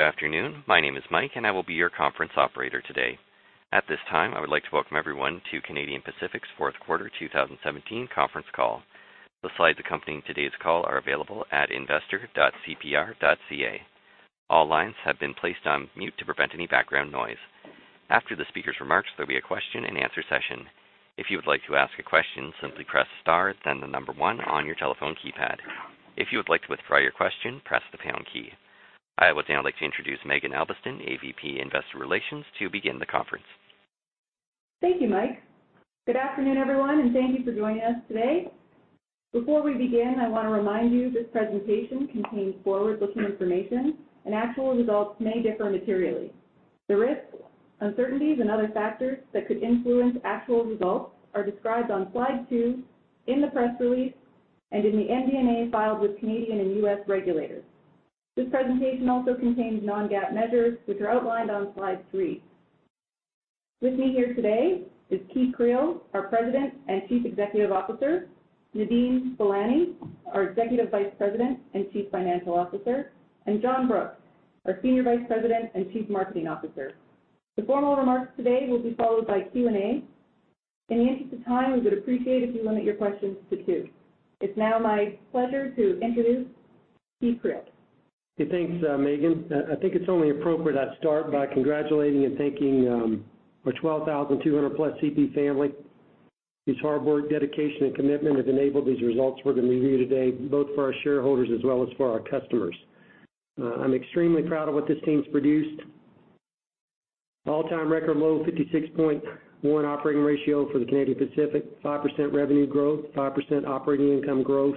Good afternoon. My name is Mike, and I will be your conference operator today. At this time, I would like to welcome everyone to Canadian Pacific's fourth quarter 2017 conference call. The slides accompanying today's call are available at investor.cpr.ca. All lines have been placed on mute to prevent any background noise. After the speaker's remarks, there'll be a question-and-answer session. If you would like to ask a question, simply press star, then the number one on your telephone keypad. If you would like to withdraw your question, press the pound key. I would now like to introduce Maeghan Albiston, AVP Investor Relations, to begin the conference. Thank you, Mike. Good afternoon, everyone, and thank you for joining us today. Before we begin, I want to remind you this presentation contains forward-looking information, and actual results may differ materially. The risks, uncertainties, and other factors that could influence actual results are described on slide two in the press release and in the MD&A filed with Canadian and U.S. regulators. This presentation also contains non-GAAP measures, which are outlined on slide three. With me here today is Keith Creel, our President and Chief Executive Officer, Nadeem Velani, our Executive Vice President and Chief Financial Officer, and John Brooks, our Senior Vice President and Chief Marketing Officer. The formal remarks today will be followed by Q&A. In the interest of time, we would appreciate if you limit your questions to two. It's now my pleasure to introduce Keith Creel. Hey, thanks, Maeghan. I think it's only appropriate I start by congratulating and thanking our 12,200-plus CP family. This hard work, dedication, and commitment have enabled these results we're going to review today, both for our shareholders as well as for our customers. I'm extremely proud of what this team's produced. All-time record low 56.1 operating ratio for the Canadian Pacific, 5% revenue growth, 5% operating income growth,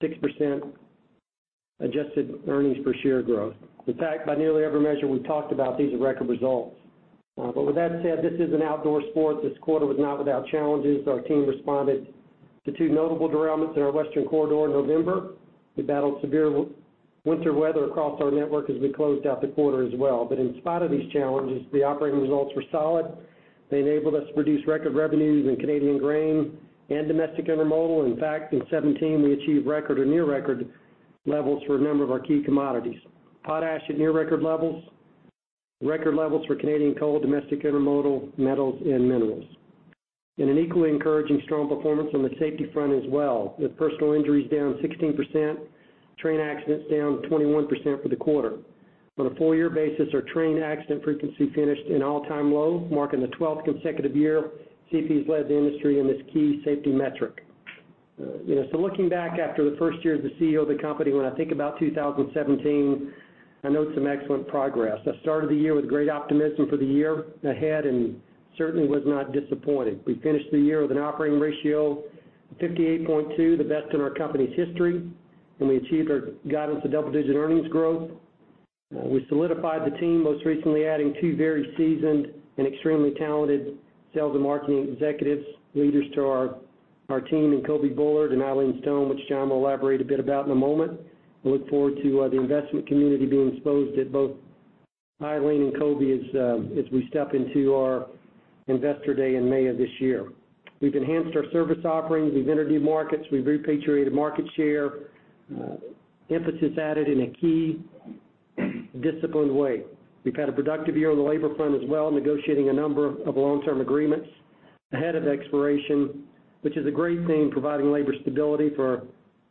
6% adjusted earnings per share growth. In fact, by nearly every measure we've talked about, these are record results. But with that said, this is an outdoor sport. This quarter was not without challenges. Our team responded to two notable derailments in our western corridor in November. We battled severe winter weather across our network as we closed out the quarter as well. But in spite of these challenges, the operating results were solid. They enabled us to produce record revenues in Canadian grain and domestic intermodal. In fact, in 2017, we achieved record or near-record levels for a number of our key commodities: potash at near-record levels, record levels for Canadian coal, domestic intermodal, metals, and minerals. An equally encouraging, strong performance on the safety front as well, with personal injuries down 16%, train accidents down 21% for the quarter. On a four-year basis, our train accident frequency finished an all-time low, marking the 12th consecutive year CP's led the industry in this key safety metric. Looking back after the first year as the CEO of the company, when I think about 2017, I note some excellent progress. I started the year with great optimism for the year ahead and certainly was not disappointed. We finished the year with an operating ratio of 58.2, the best in our company's history, and we achieved our guidance of double-digit earnings growth. We solidified the team, most recently adding two very seasoned and extremely talented sales and marketing executives, leaders to our team in Coby Bullard and Eileen Stone, which John will elaborate a bit about in a moment. I look forward to the investment community being exposed to both Eileen and Coby as we step into our investor day in May of this year. We've enhanced our service offerings. We've entered new markets. We've repatriated market share, emphasis added, in a key disciplined way. We've had a productive year on the labor front as well, negotiating a number of long-term agreements ahead of expiration, which is a great thing, providing labor stability for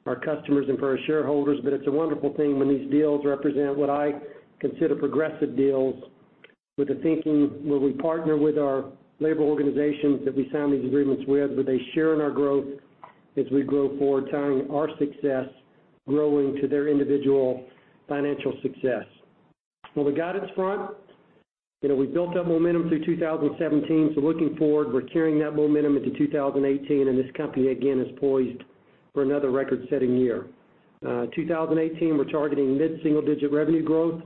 our customers and for our shareholders. But it's a wonderful thing when these deals represent what I consider progressive deals, with the thinking, will we partner with our labor organizations that we sign these agreements with? Will they share in our growth as we grow forward, tying our success growing to their individual financial success? On the guidance front, we built up momentum through 2017, so looking forward, we're carrying that momentum into 2018, and this company, again, is poised for another record-setting year. 2018, we're targeting mid-single-digit revenue growth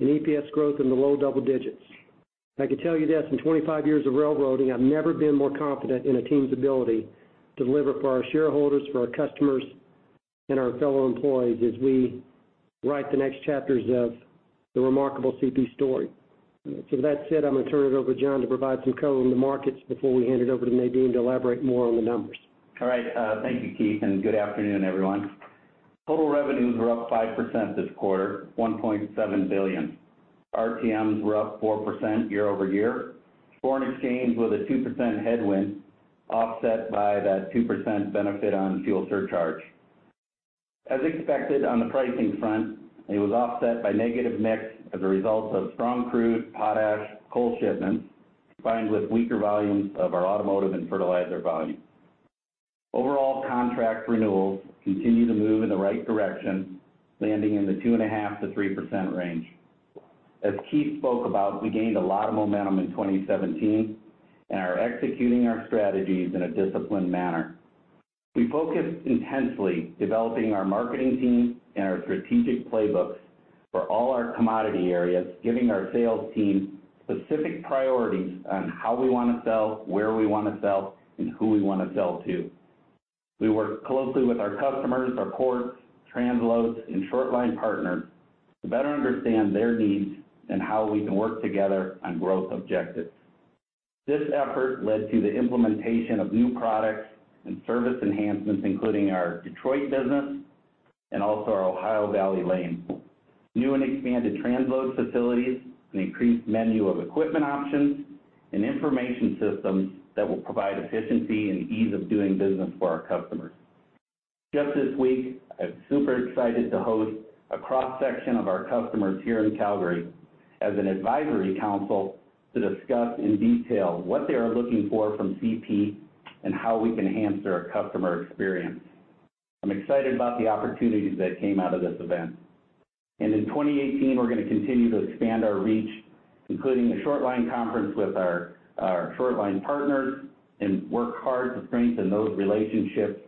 and EPS growth in the low double digits. I can tell you this, in 25 years of railroading, I've never been more confident in a team's ability to deliver for our shareholders, for our customers, and our fellow employees as we write the next chapters of the remarkable CP story. So with that said, I'm going to turn it over to John to provide some color on the markets before we hand it over to Nadeem to elaborate more on the numbers. All right. Thank you, Keith, and good afternoon, everyone. Total revenues were up 5% this quarter, $1.7 billion. RTMs were up 4% year-over-year, foreign exchange with a 2% headwind offset by that 2% benefit on fuel surcharge. As expected on the pricing front, it was offset by negative mix as a result of strong crude, potash, coal shipments combined with weaker volumes of our automotive and fertilizer volume. Overall, contract renewals continue to move in the right direction, landing in the 2.5%-3% range. As Keith spoke about, we gained a lot of momentum in 2017, and are executing our strategies in a disciplined manner. We focused intensely developing our marketing team and our strategic playbooks for all our commodity areas, giving our sales team specific priorities on how we want to sell, where we want to sell, and who we want to sell to. We work closely with our customers, our ports, transloads, and short-line partners to better understand their needs and how we can work together on growth objectives. This effort led to the implementation of new products and service enhancements, including our Detroit business and also our Ohio Valley lane, new and expanded transload facilities, an increased menu of equipment options, and information systems that will provide efficiency and ease of doing business for our customers. Just this week, I'm super excited to host a cross-section of our customers here in Calgary as an advisory council to discuss in detail what they are looking for from CP and how we can enhance their customer experience. I'm excited about the opportunities that came out of this event. In 2018, we're going to continue to expand our reach, including a short-line conference with our short-line partners, and work hard to strengthen those relationships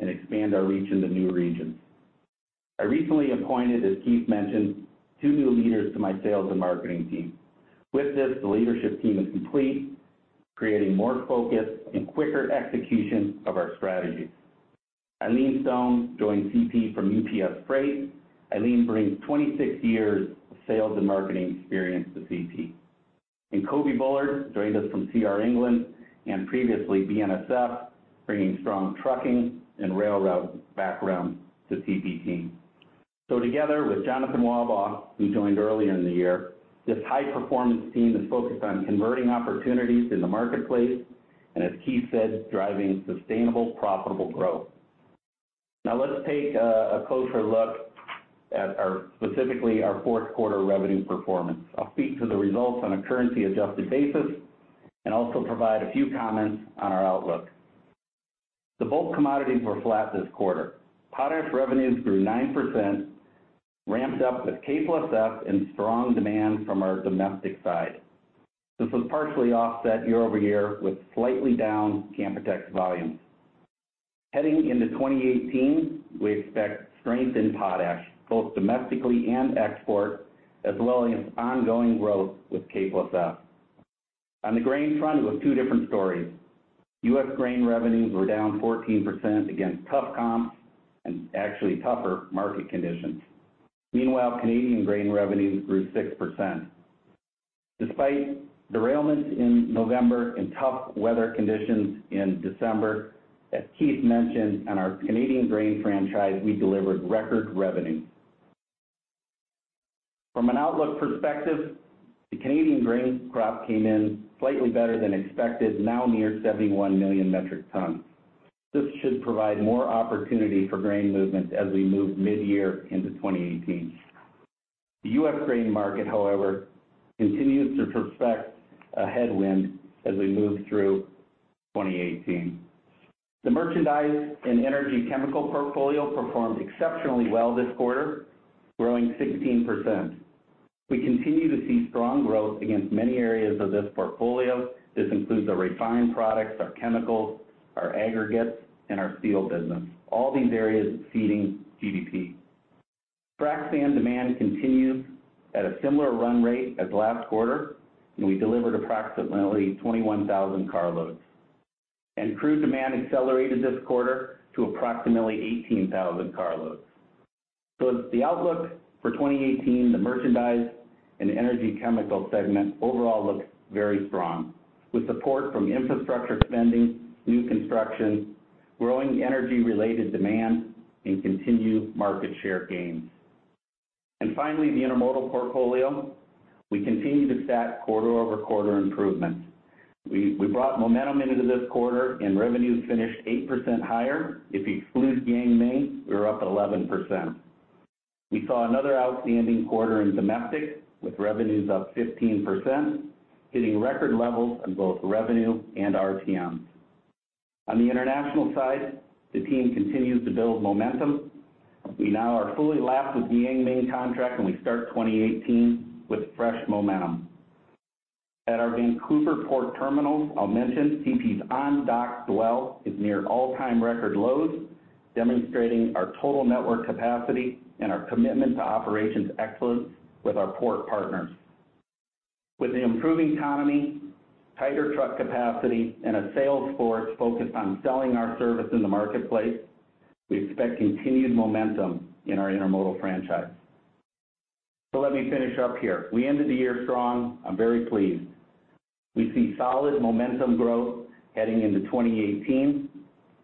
and expand our reach in the new regions. I recently appointed, as Keith mentioned, two new leaders to my sales and marketing team. With this, the leadership team is complete, creating more focus and quicker execution of our strategies. Eileen Stone joined CP from UPS Freight. Eileen brings 26 years of sales and marketing experience to CP. And Coby Bullard joined us from C.R. England and previously BNSF, bringing strong trucking and railroad background to CP team. So together with Jonathan Wahba, who joined earlier in the year, this high-performance team is focused on converting opportunities in the marketplace and, as Keith said, driving sustainable, profitable growth. Now let's take a closer look at specifically our fourth quarter revenue performance. I'll speak to the results on a currency-adjusted basis and also provide a few comments on our outlook. The bulk commodities were flat this quarter. Potash revenues grew 9%, ramped up with K+S and strong demand from our domestic side. This was partially offset year-over-year with slightly down Canpotex volumes. Heading into 2018, we expect strength in potash, both domestically and export, as well as ongoing growth with K+S. On the grain front, it was two different stories. U.S. grain revenues were down 14% against tough comps and actually tougher market conditions. Meanwhile, Canadian grain revenues grew 6%. Despite derailments in November and tough weather conditions in December, as Keith mentioned, on our Canadian grain franchise, we delivered record revenues. From an outlook perspective, the Canadian grain crop came in slightly better than expected, now near 71 million metric tons. This should provide more opportunity for grain movement as we move mid-year into 2018. The U.S. grain market, however, continues to present a headwind as we move through 2018. The merchandise and energy chemical portfolio performed exceptionally well this quarter, growing 16%. We continue to see strong growth against many areas of this portfolio. This includes our refined products, our chemicals, our aggregates, and our steel business, all these areas feeding GDP. Frac sand demand continues at a similar run rate as last quarter, and we delivered approximately 21,000 carloads. Crude demand accelerated this quarter to approximately 18,000 carloads. So the outlook for 2018, the merchandise and energy chemical segment overall looks very strong, with support from infrastructure spending, new construction, growing energy-related demand, and continued market share gains. Finally, the intermodal portfolio, we continue to stack quarter-over-quarter improvements. We brought momentum into this quarter, and revenues finished 8% higher. If you exclude Yang Ming, we were up 11%. We saw another outstanding quarter in domestic with revenues up 15%, hitting record levels on both revenue and RTMs. On the international side, the team continues to build momentum. We now are fully lapped with the Yang Ming contract, and we start 2018 with fresh momentum. At our Vancouver port terminal, I'll mention CP's on-dock dwell is near all-time record lows, demonstrating our total network capacity and our commitment to operations excellence with our port partners. With the improving economy, tighter truck capacity, and a sales force focused on selling our service in the marketplace, we expect continued momentum in our intermodal franchise. So let me finish up here. We ended the year strong. I'm very pleased. We see solid momentum growth heading into 2018.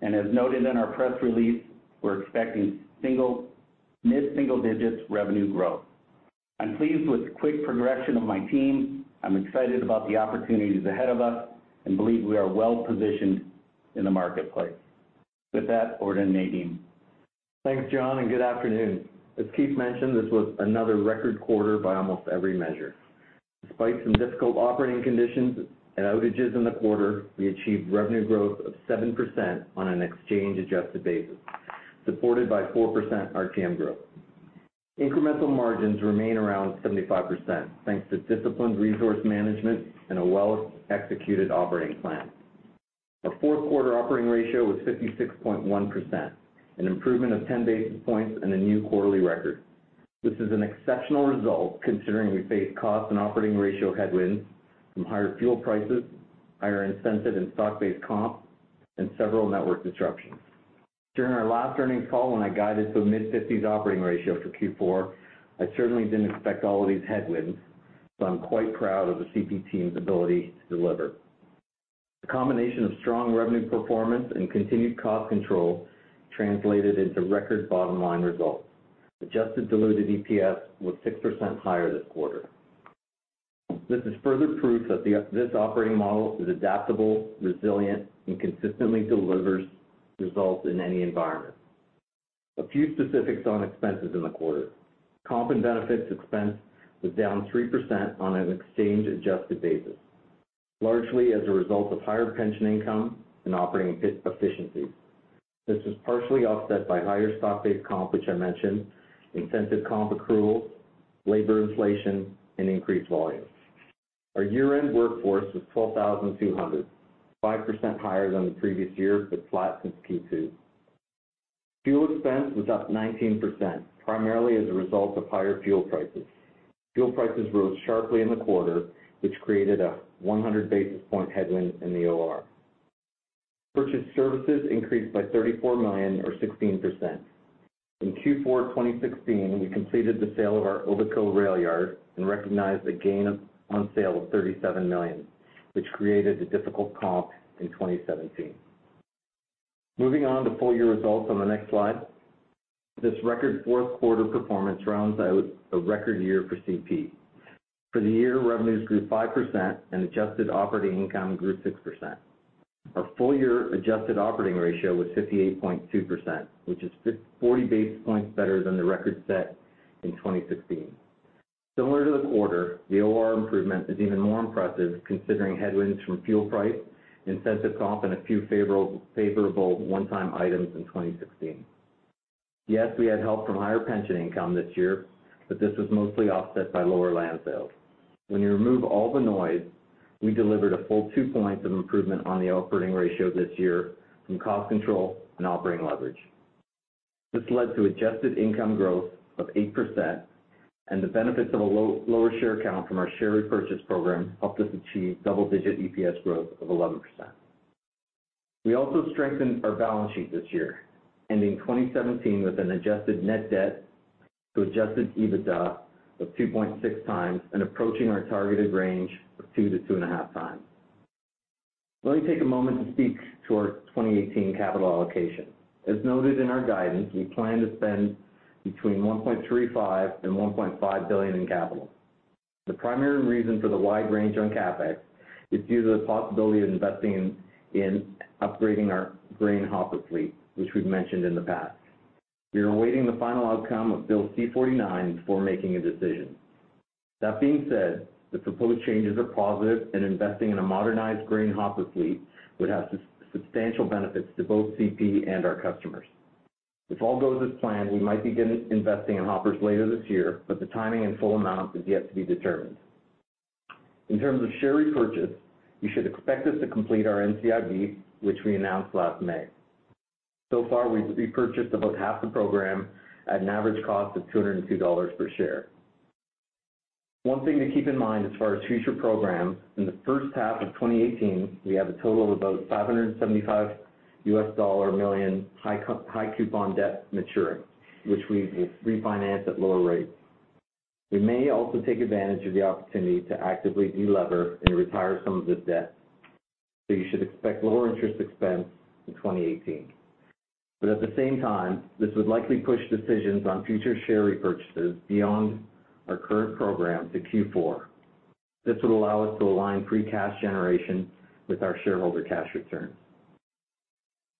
As noted in our press release, we're expecting mid-single-digit revenue growth. I'm pleased with the quick progression of my team. I'm excited about the opportunities ahead of us and believe we are well-positioned in the marketplace. With that, over to Nadeem. Thanks, John, and good afternoon. As Keith mentioned, this was another record quarter by almost every measure. Despite some difficult operating conditions and outages in the quarter, we achieved revenue growth of 7% on an exchange-adjusted basis, supported by 4% RTM growth. Incremental margins remain around 75% thanks to disciplined resource management and a well-executed operating plan. Our fourth quarter operating ratio was 56.1%, an improvement of 10 basis points and a new quarterly record. This is an exceptional result considering we faced cost and operating ratio headwinds from higher fuel prices, higher incentive and stock-based comps, and several network disruptions. During our last earnings call when I guided to a mid-50s operating ratio for Q4, I certainly didn't expect all of these headwinds, so I'm quite proud of the CP team's ability to deliver. The combination of strong revenue performance and continued cost control translated into record bottom-line results. Adjusted Diluted EPS was 6% higher this quarter. This is further proof that this operating model is adaptable, resilient, and consistently delivers results in any environment. A few specifics on expenses in the quarter. Comp and benefits expense was down 3% on an exchange-adjusted basis, largely as a result of higher pension income and operating efficiencies. This was partially offset by higher stock-based comp, which I mentioned, incentive comp accruals, labor inflation, and increased volumes. Our year-end workforce was 12,200, 5% higher than the previous year but flat since Q2. Fuel expense was up 19%, primarily as a result of higher fuel prices. Fuel prices rose sharply in the quarter, which created a 100 basis point headwind in the OR. Purchased services increased by $34 million or 16%. In Q4 2016, we completed the sale of our Obico railyard and recognized a gain on sale of $37 million, which created a difficult comp in 2017. Moving on to full-year results on the next slide. This record fourth quarter performance rounds out a record year for CP. For the year, revenues grew 5% and adjusted operating income grew 6%. Our full-year adjusted operating ratio was 58.2%, which is 40 basis points better than the record set in 2016. Similar to the quarter, the OR improvement is even more impressive considering headwinds from fuel price, incentive comp, and a few favorable one-time items in 2016. Yes, we had help from higher pension income this year, but this was mostly offset by lower land sales. When you remove all the noise, we delivered a full two points of improvement on the operating ratio this year from cost control and operating leverage. This led to adjusted income growth of 8%, and the benefits of a lower share count from our share repurchase program helped us achieve double-digit EPS growth of 11%. We also strengthened our balance sheet this year, ending 2017 with an adjusted net debt to adjusted EBITDA of 2.6xand approaching our targeted range of 2-2.5x. Let me take a moment to speak to our 2018 capital allocation. As noted in our guidance, we plan to spend between $1.35 billion and $1.5 billion in capital. The primary reason for the wide range on CapEx is due to the possibility of investing in upgrading our grain hopper fleet, which we've mentioned in the past. We are awaiting the final outcome of Bill C-49 before making a decision. That being said, the proposed changes are positive, and investing in a modernized grain hopper fleet would have substantial benefits to both CP and our customers. If all goes as planned, we might begin investing in hoppers later this year, but the timing and full amount is yet to be determined. In terms of share repurchase, you should expect us to complete our NCIB, which we announced last May. So far, we've repurchased about half the program at an average cost of $202 per share. One thing to keep in mind as far as future programs, in the first half of 2018, we have a total of about $575 million high coupon debt maturing, which we will refinance at lower rates. We may also take advantage of the opportunity to actively de-lever and retire some of this debt, so you should expect lower interest expense in 2018. At the same time, this would likely push decisions on future share repurchases beyond our current program to Q4. This would allow us to align free cash generation with our shareholder cash returns.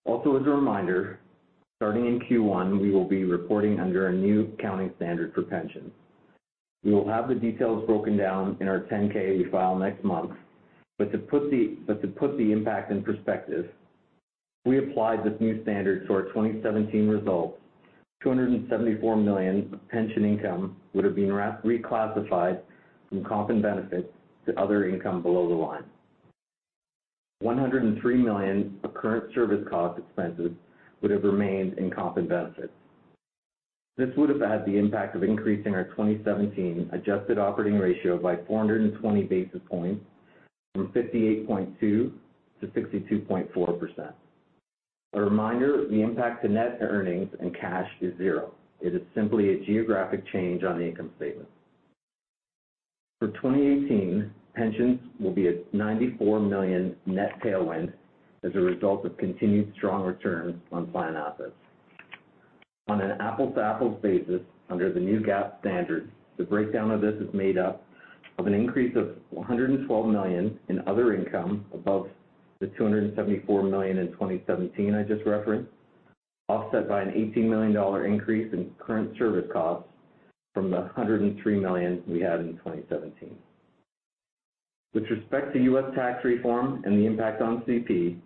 Also, as a reminder, starting in Q1, we will be reporting under a new accounting standard for pensions. We will have the details broken down in our 10-K we file next month, but to put the impact in perspective, if we applied this new standard to our 2017 results, $274 million of pension income would have been reclassified from comp and benefits to other income below the line. $103 million of current service cost expenses would have remained in comp and benefits. This would have had the impact of increasing our 2017 adjusted operating ratio by 420 basis points from 58.2%-62.4%. A reminder, the impact to net earnings and cash is zero. It is simply a geographic change on the income statement. For 2018, pensions will be a $94 million net tailwind as a result of continued strong returns on plan assets. On an apples-to-apples basis, under the new GAAP standards, the breakdown of this is made up of an increase of $112 million in other income above the $274 million in 2017 I just referenced, offset by an $18 million increase in current service costs from the $103 million we had in 2017. With respect to U.S. tax reform and the impact on CP,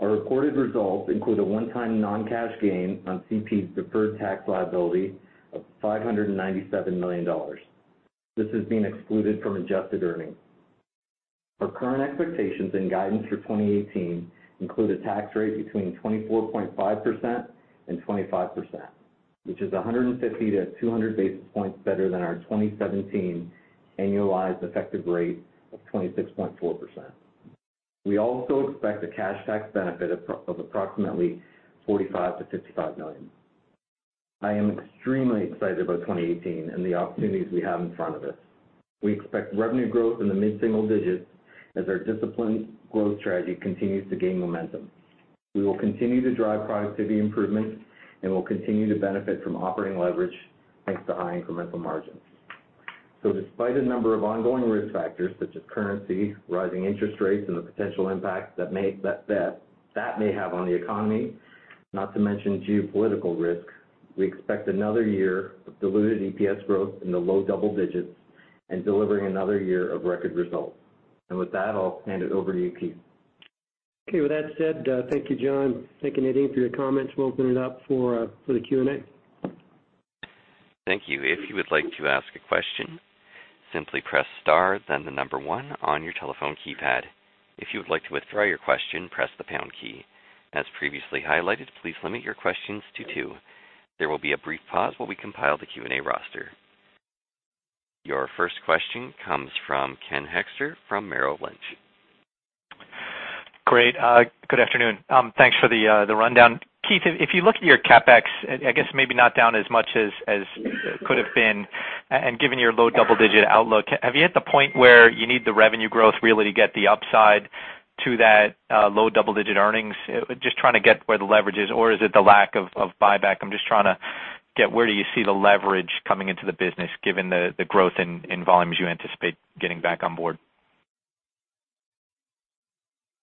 our reported results include a one-time non-cash gain on CP's deferred tax liability of $597 million. This has been excluded from adjusted earnings. Our current expectations and guidance for 2018 include a tax rate between 24.5%-25%, which is 150 to 200 basis points better than our 2017 annualized effective rate of 26.4%. We also expect a cash tax benefit of approximately $45 million-$55 million. I am extremely excited about 2018 and the opportunities we have in front of us. We expect revenue growth in the mid-single digits as our disciplined growth strategy continues to gain momentum. We will continue to drive productivity improvements, and we'll continue to benefit from operating leverage thanks to high incremental margins. So despite a number of ongoing risk factors such as currency, rising interest rates, and the potential impact that may have on the economy, not to mention geopolitical risk, we expect another year of diluted EPS growth in the low double digits and delivering another year of record results. And with that, I'll hand it over to you, Keith. Okay. With that said, thank you, John. Thank you, Nadeem, for your comments. We'll open it up for the Q&A. Thank you. If you would like to ask a question, simply press star, then the number one, on your telephone keypad. If you would like to withdraw your question, press the pound key. As previously highlighted, please limit your questions to two. There will be a brief pause while we compile the Q&A roster. Your first question comes from Ken Hoexter from Merrill Lynch. Great. Good afternoon. Thanks for the rundown. Keith, if you look at your CapEx, I guess maybe not down as much as it could have been, and given your low double-digit outlook, have you hit the point where you need the revenue growth really to get the upside to that low double-digit earnings? Just trying to get where the leverage is, or is it the lack of buyback? I'm just trying to get where do you see the leverage coming into the business given the growth in volumes you anticipate getting back on board?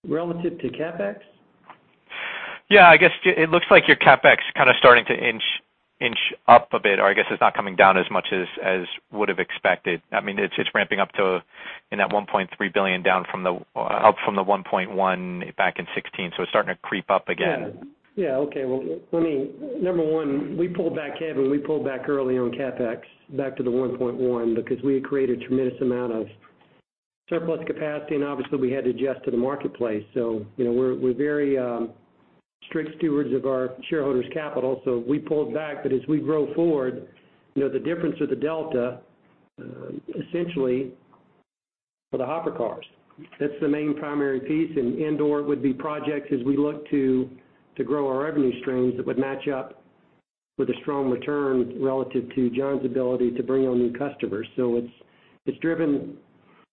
Relative to CapEx? Yeah. I guess it looks like your CapEx is kind of starting to inch up a bit, or I guess it's not coming down as much as would have expected. I mean, it's ramping up in that $1.3 billion down from the $1.1 billion back in 2016, so it's starting to creep up again. Yeah. Okay. Well, let me number one, we pulled back heavily. We pulled back early on CapEx, back to the $1.1 billion because we had created a tremendous amount of surplus capacity, and obviously, we had to adjust to the marketplace. So we're very strict stewards of our shareholders' capital, so we pulled back. But as we grow forward, the difference with the delta, essentially, for the hopper cars, that's the main primary piece. And/or it would be projects as we look to grow our revenue streams that would match up with a strong return relative to John's ability to bring on new customers. So it's driven,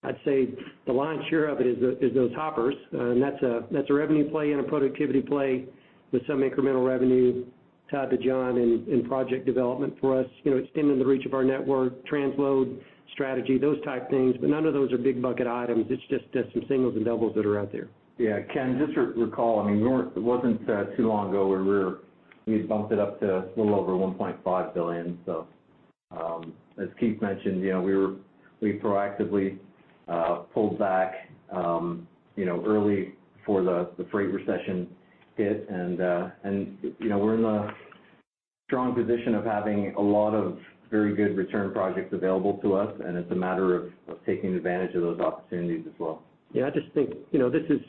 I'd say, the lion's share of it is those hoppers. And that's a revenue play and a productivity play with some incremental revenue tied to John and project development for us, extending the reach of our network, transload strategy, those type things. None of those are big bucket items. It's just some singles and doubles that are out there. Yeah. Ken, just to recall, I mean, it wasn't too long ago where we had bumped it up to a little over $1.5 billion. So as Keith mentioned, we proactively pulled back early before the freight recession hit. And we're in the strong position of having a lot of very good return projects available to us, and it's a matter of taking advantage of those opportunities as well. Yeah. I just think this is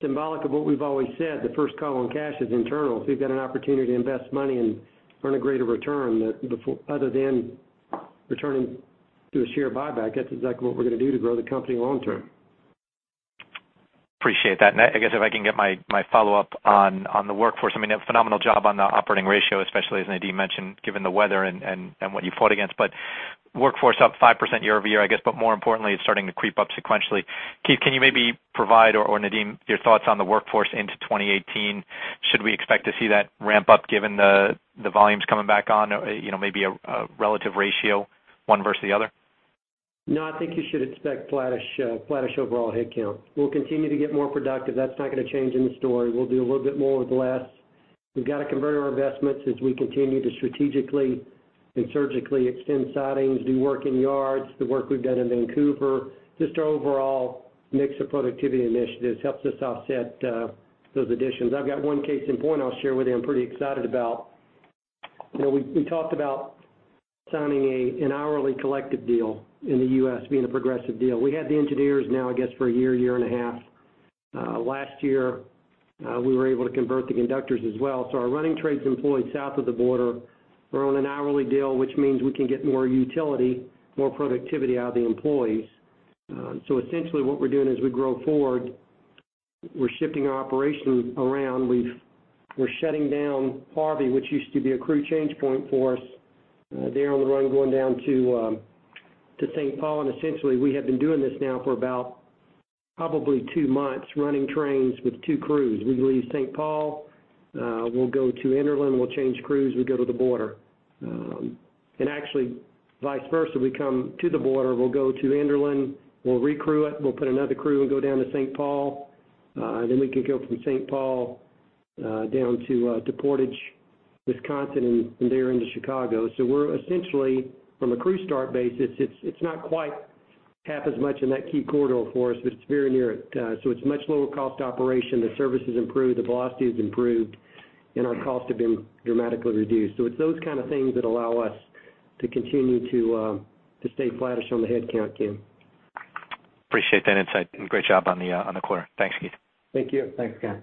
symbolic of what we've always said. The first column cash is internal. So you've got an opportunity to invest money and earn a greater return other than returning to a share buyback. That's exactly what we're going to do to grow the company long term. Appreciate that. I guess if I can get my follow-up on the workforce. I mean, a phenomenal job on the operating ratio, especially, as Nadeem mentioned, given the weather and what you fought against. But workforce up 5% year-over-year, I guess, but more importantly, it's starting to creep up sequentially. Keith, can you maybe provide, or Nadeem, your thoughts on the workforce into 2018? Should we expect to see that ramp up given the volumes coming back on, maybe a relative ratio, one versus the other? No. I think you should expect flat-ish overall headcount. We'll continue to get more productive. That's not going to change in the story. We'll do a little bit more over the last we've got to convert our investments as we continue to strategically and surgically extend sidings, do work in yards, the work we've done in Vancouver. Just our overall mix of productivity initiatives helps us offset those additions. I've got one case in point I'll share with you I'm pretty excited about. We talked about signing an hourly collective deal in the U.S., being a progressive deal. We had the engineers now, I guess, for 1 year, 1.5 years. Last year, we were able to convert the conductors as well. So our running trades employees south of the border, we're on an hourly deal, which means we can get more utility, more productivity out of the employees. So essentially, what we're doing as we grow forward, we're shifting our operation around. We're shutting down Harvey, which used to be a crew change point for us, there on the run, going down to St. Paul. And essentially, we have been doing this now for about probably two months, running trains with two crews. We leave St. Paul. We'll go to Enderlin. We'll change crews. We go to the border. And actually, vice versa. We come to the border. We'll go to Enderlin. We'll recrew it. We'll put another crew and go down to St. Paul. Then we can go from St. Paul down to Portage, Wisconsin, and there into Chicago. So essentially, from a crew start basis, it's not quite half as much in that key corridor for us, but it's very near it. So it's much lower-cost operation. The service is improved. The velocity is improved. Our costs have been dramatically reduced. It's those kind of things that allow us to continue to stay flat-ish on the headcount, Ken. Appreciate that insight. Great job on the quarter. Thanks, Keith. Thank you. Thanks, Ken.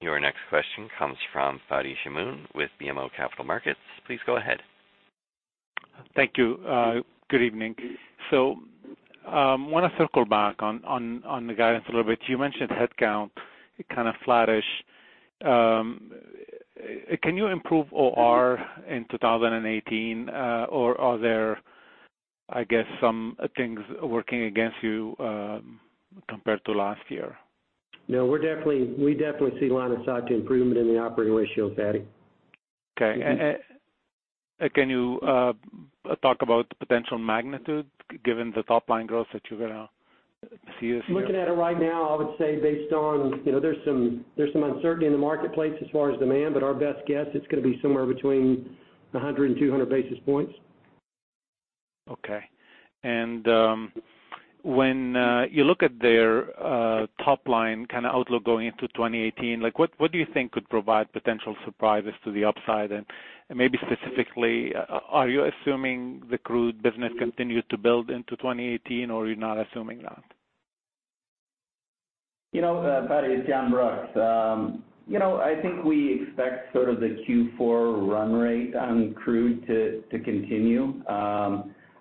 Your next question comes from Fadi Chamoun with BMO Capital Markets. Please go ahead. Thank you. Good evening. I want to circle back on the guidance a little bit. You mentioned headcount, kind of flat-ish. Can you improve OR in 2018, or are there, I guess, some things working against you compared to last year? No. We definitely see line of sight to improvement in the operating ratios, Fadi. Okay. And can you talk about the potential magnitude given the top-line growth that you're going to see this year? Looking at it right now, I would say based on there's some uncertainty in the marketplace as far as demand, but our best guess, it's going to be somewhere between 100 and 200 basis points. Okay. And when you look at their top-line kind of outlook going into 2018, what do you think could provide potential surprises to the upside? And maybe specifically, are you assuming the crude business continues to build into 2018, or are you not assuming that? Fadi, it's John Brooks. I think we expect sort of the Q4 run rate on crude to continue.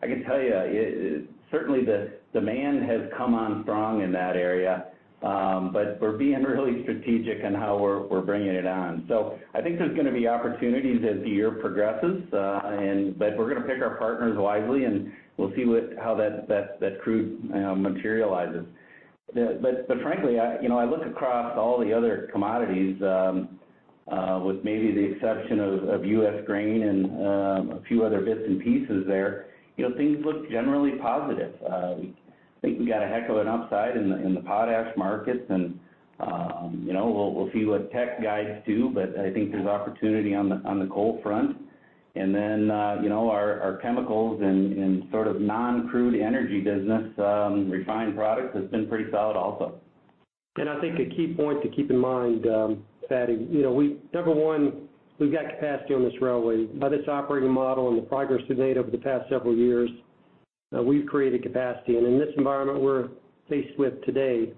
I can tell you, certainly, the demand has come on strong in that area, but we're being really strategic in how we're bringing it on. So I think there's going to be opportunities as the year progresses, but we're going to pick our partners wisely, and we'll see how that crude materializes. But frankly, I look across all the other commodities, with maybe the exception of U.S. grain and a few other bits and pieces there, things look generally positive. I think we got a heck of an upside in the potash markets, and we'll see what Teck Resources do. But I think there's opportunity on the coal front. And then our chemicals and sort of non-crude energy business, refined products, has been pretty solid also. I think a key point to keep in mind, Fadi, number one, we've got capacity on this railway. By this operating model and the progress we've made over the past several years, we've created capacity. In this environment we're faced with today,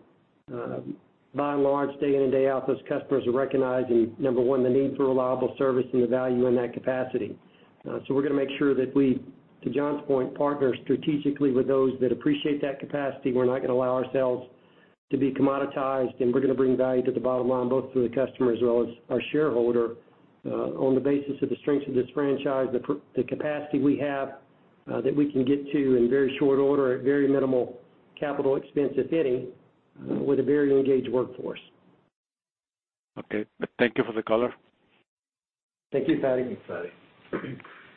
by and large, day in and day out, those customers are recognizing, number one, the need for reliable service and the value in that capacity. We're going to make sure that we, to John's point, partner strategically with those that appreciate that capacity. We're not going to allow ourselves to be commoditized, and we're going to bring value to the bottom line, both for the customer as well as our shareholder, on the basis of the strengths of this franchise, the capacity we have that we can get to in very short order, at very minimal capital expense, if any, with a very engaged workforce. Okay. Thank you for the color. Thank you, Fadi.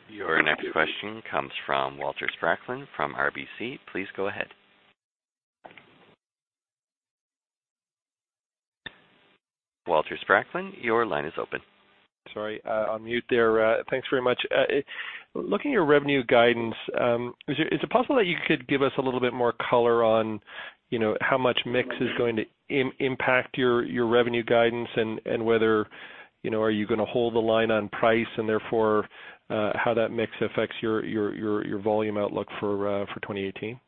Your next question comes from Walter Spracklin from RBC. Please go ahead. Walter Spracklin, your line is open. Sorry. I'm mute there. Thanks very much. Looking at your revenue guidance, is it possible that you could give us a little bit more color on how much mix is going to impact your revenue guidance and whether are you going to hold the line on price and therefore how that mix affects your volume outlook for 2018?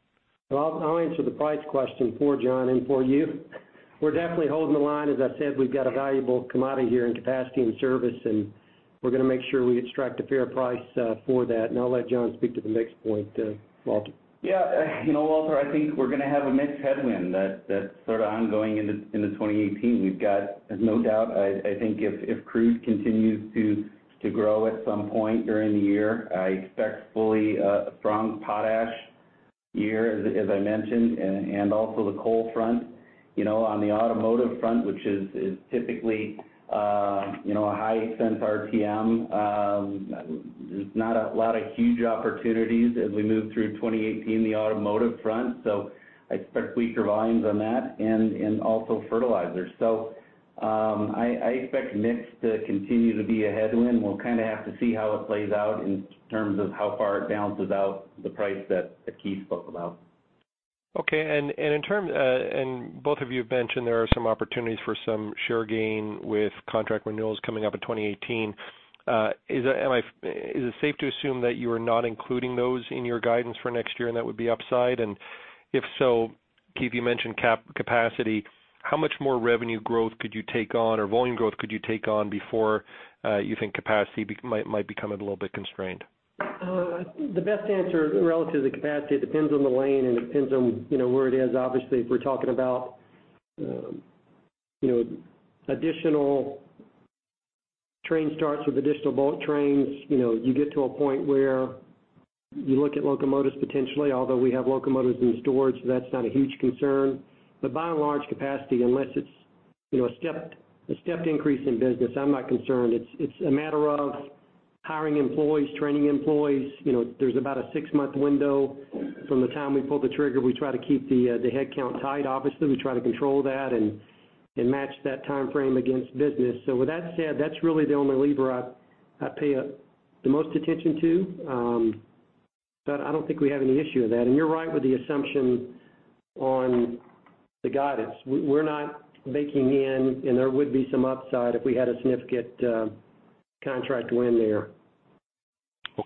Well, I'll answer the price question for John and for you. We're definitely holding the line. As I said, we've got a valuable commodity here in capacity and service, and we're going to make sure we extract a fair price for that. And I'll let John speak to the mix point, Walter. Yeah. Walter, I think we're going to have a mixed headwind that's sort of ongoing into 2018. We've got, no doubt, I think if crude continues to grow at some point during the year, I expect a fully strong potash year, as I mentioned, and also the coal front. On the automotive front, which is typically a high-expense RTM, there's not a lot of huge opportunities as we move through 2018, the automotive front. So I expect weaker volumes on that and also fertilizers. So I expect mixed to continue to be a headwind. We'll kind of have to see how it plays out in terms of how far it balances out the price that Keith spoke about. Okay. And both of you have mentioned there are some opportunities for some share gain with contract renewals coming up in 2018. Is it safe to assume that you are not including those in your guidance for next year and that would be upside? And if so, Keith, you mentioned capacity. How much more revenue growth could you take on or volume growth could you take on before you think capacity might become a little bit constrained? The best answer, relative to capacity, depends on the lane, and it depends on where it is. Obviously, if we're talking about additional train starts with additional bulk trains, you get to a point where you look at locomotives potentially, although we have locomotives in storage, so that's not a huge concern. But by and large, capacity, unless it's a stepped increase in business, I'm not concerned. It's a matter of hiring employees, training employees. There's about a six-month window from the time we pull the trigger. We try to keep the headcount tight. Obviously, we try to control that and match that timeframe against business. So with that said, that's really the only lever I pay the most attention to. But I don't think we have any issue with that. And you're right with the assumption on the guidance. We're not baking in, and there would be some upside if we had a significant contract win there.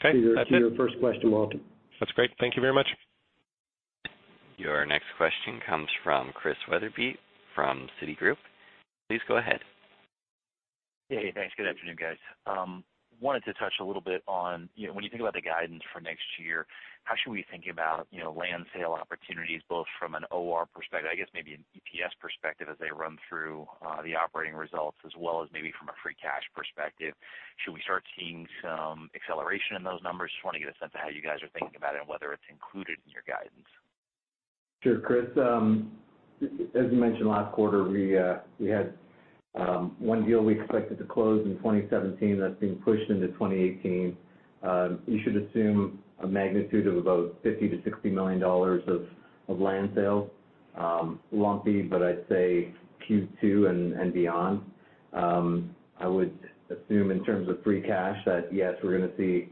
That's your first question, Walter. That's great. Thank you very much. Your next question comes from Chris Wetherbee from Citigroup. Please go ahead. Hey, hey. Thanks. Good afternoon, guys. Wanted to touch a little bit on when you think about the guidance for next year, how should we be thinking about land sale opportunities, both from an OR perspective, I guess maybe an EPS perspective as they run through the operating results, as well as maybe from a free cash perspective? Should we start seeing some acceleration in those numbers? Just want to get a sense of how you guys are thinking about it and whether it's included in your guidance. Sure, Chris. As you mentioned, last quarter, we had one deal we expected to close in 2017 that's being pushed into 2018. You should assume a magnitude of about $50 million-$60 million of land sales, lumpy, but I'd say Q2 and beyond. I would assume in terms of free cash that, yes, we're going to see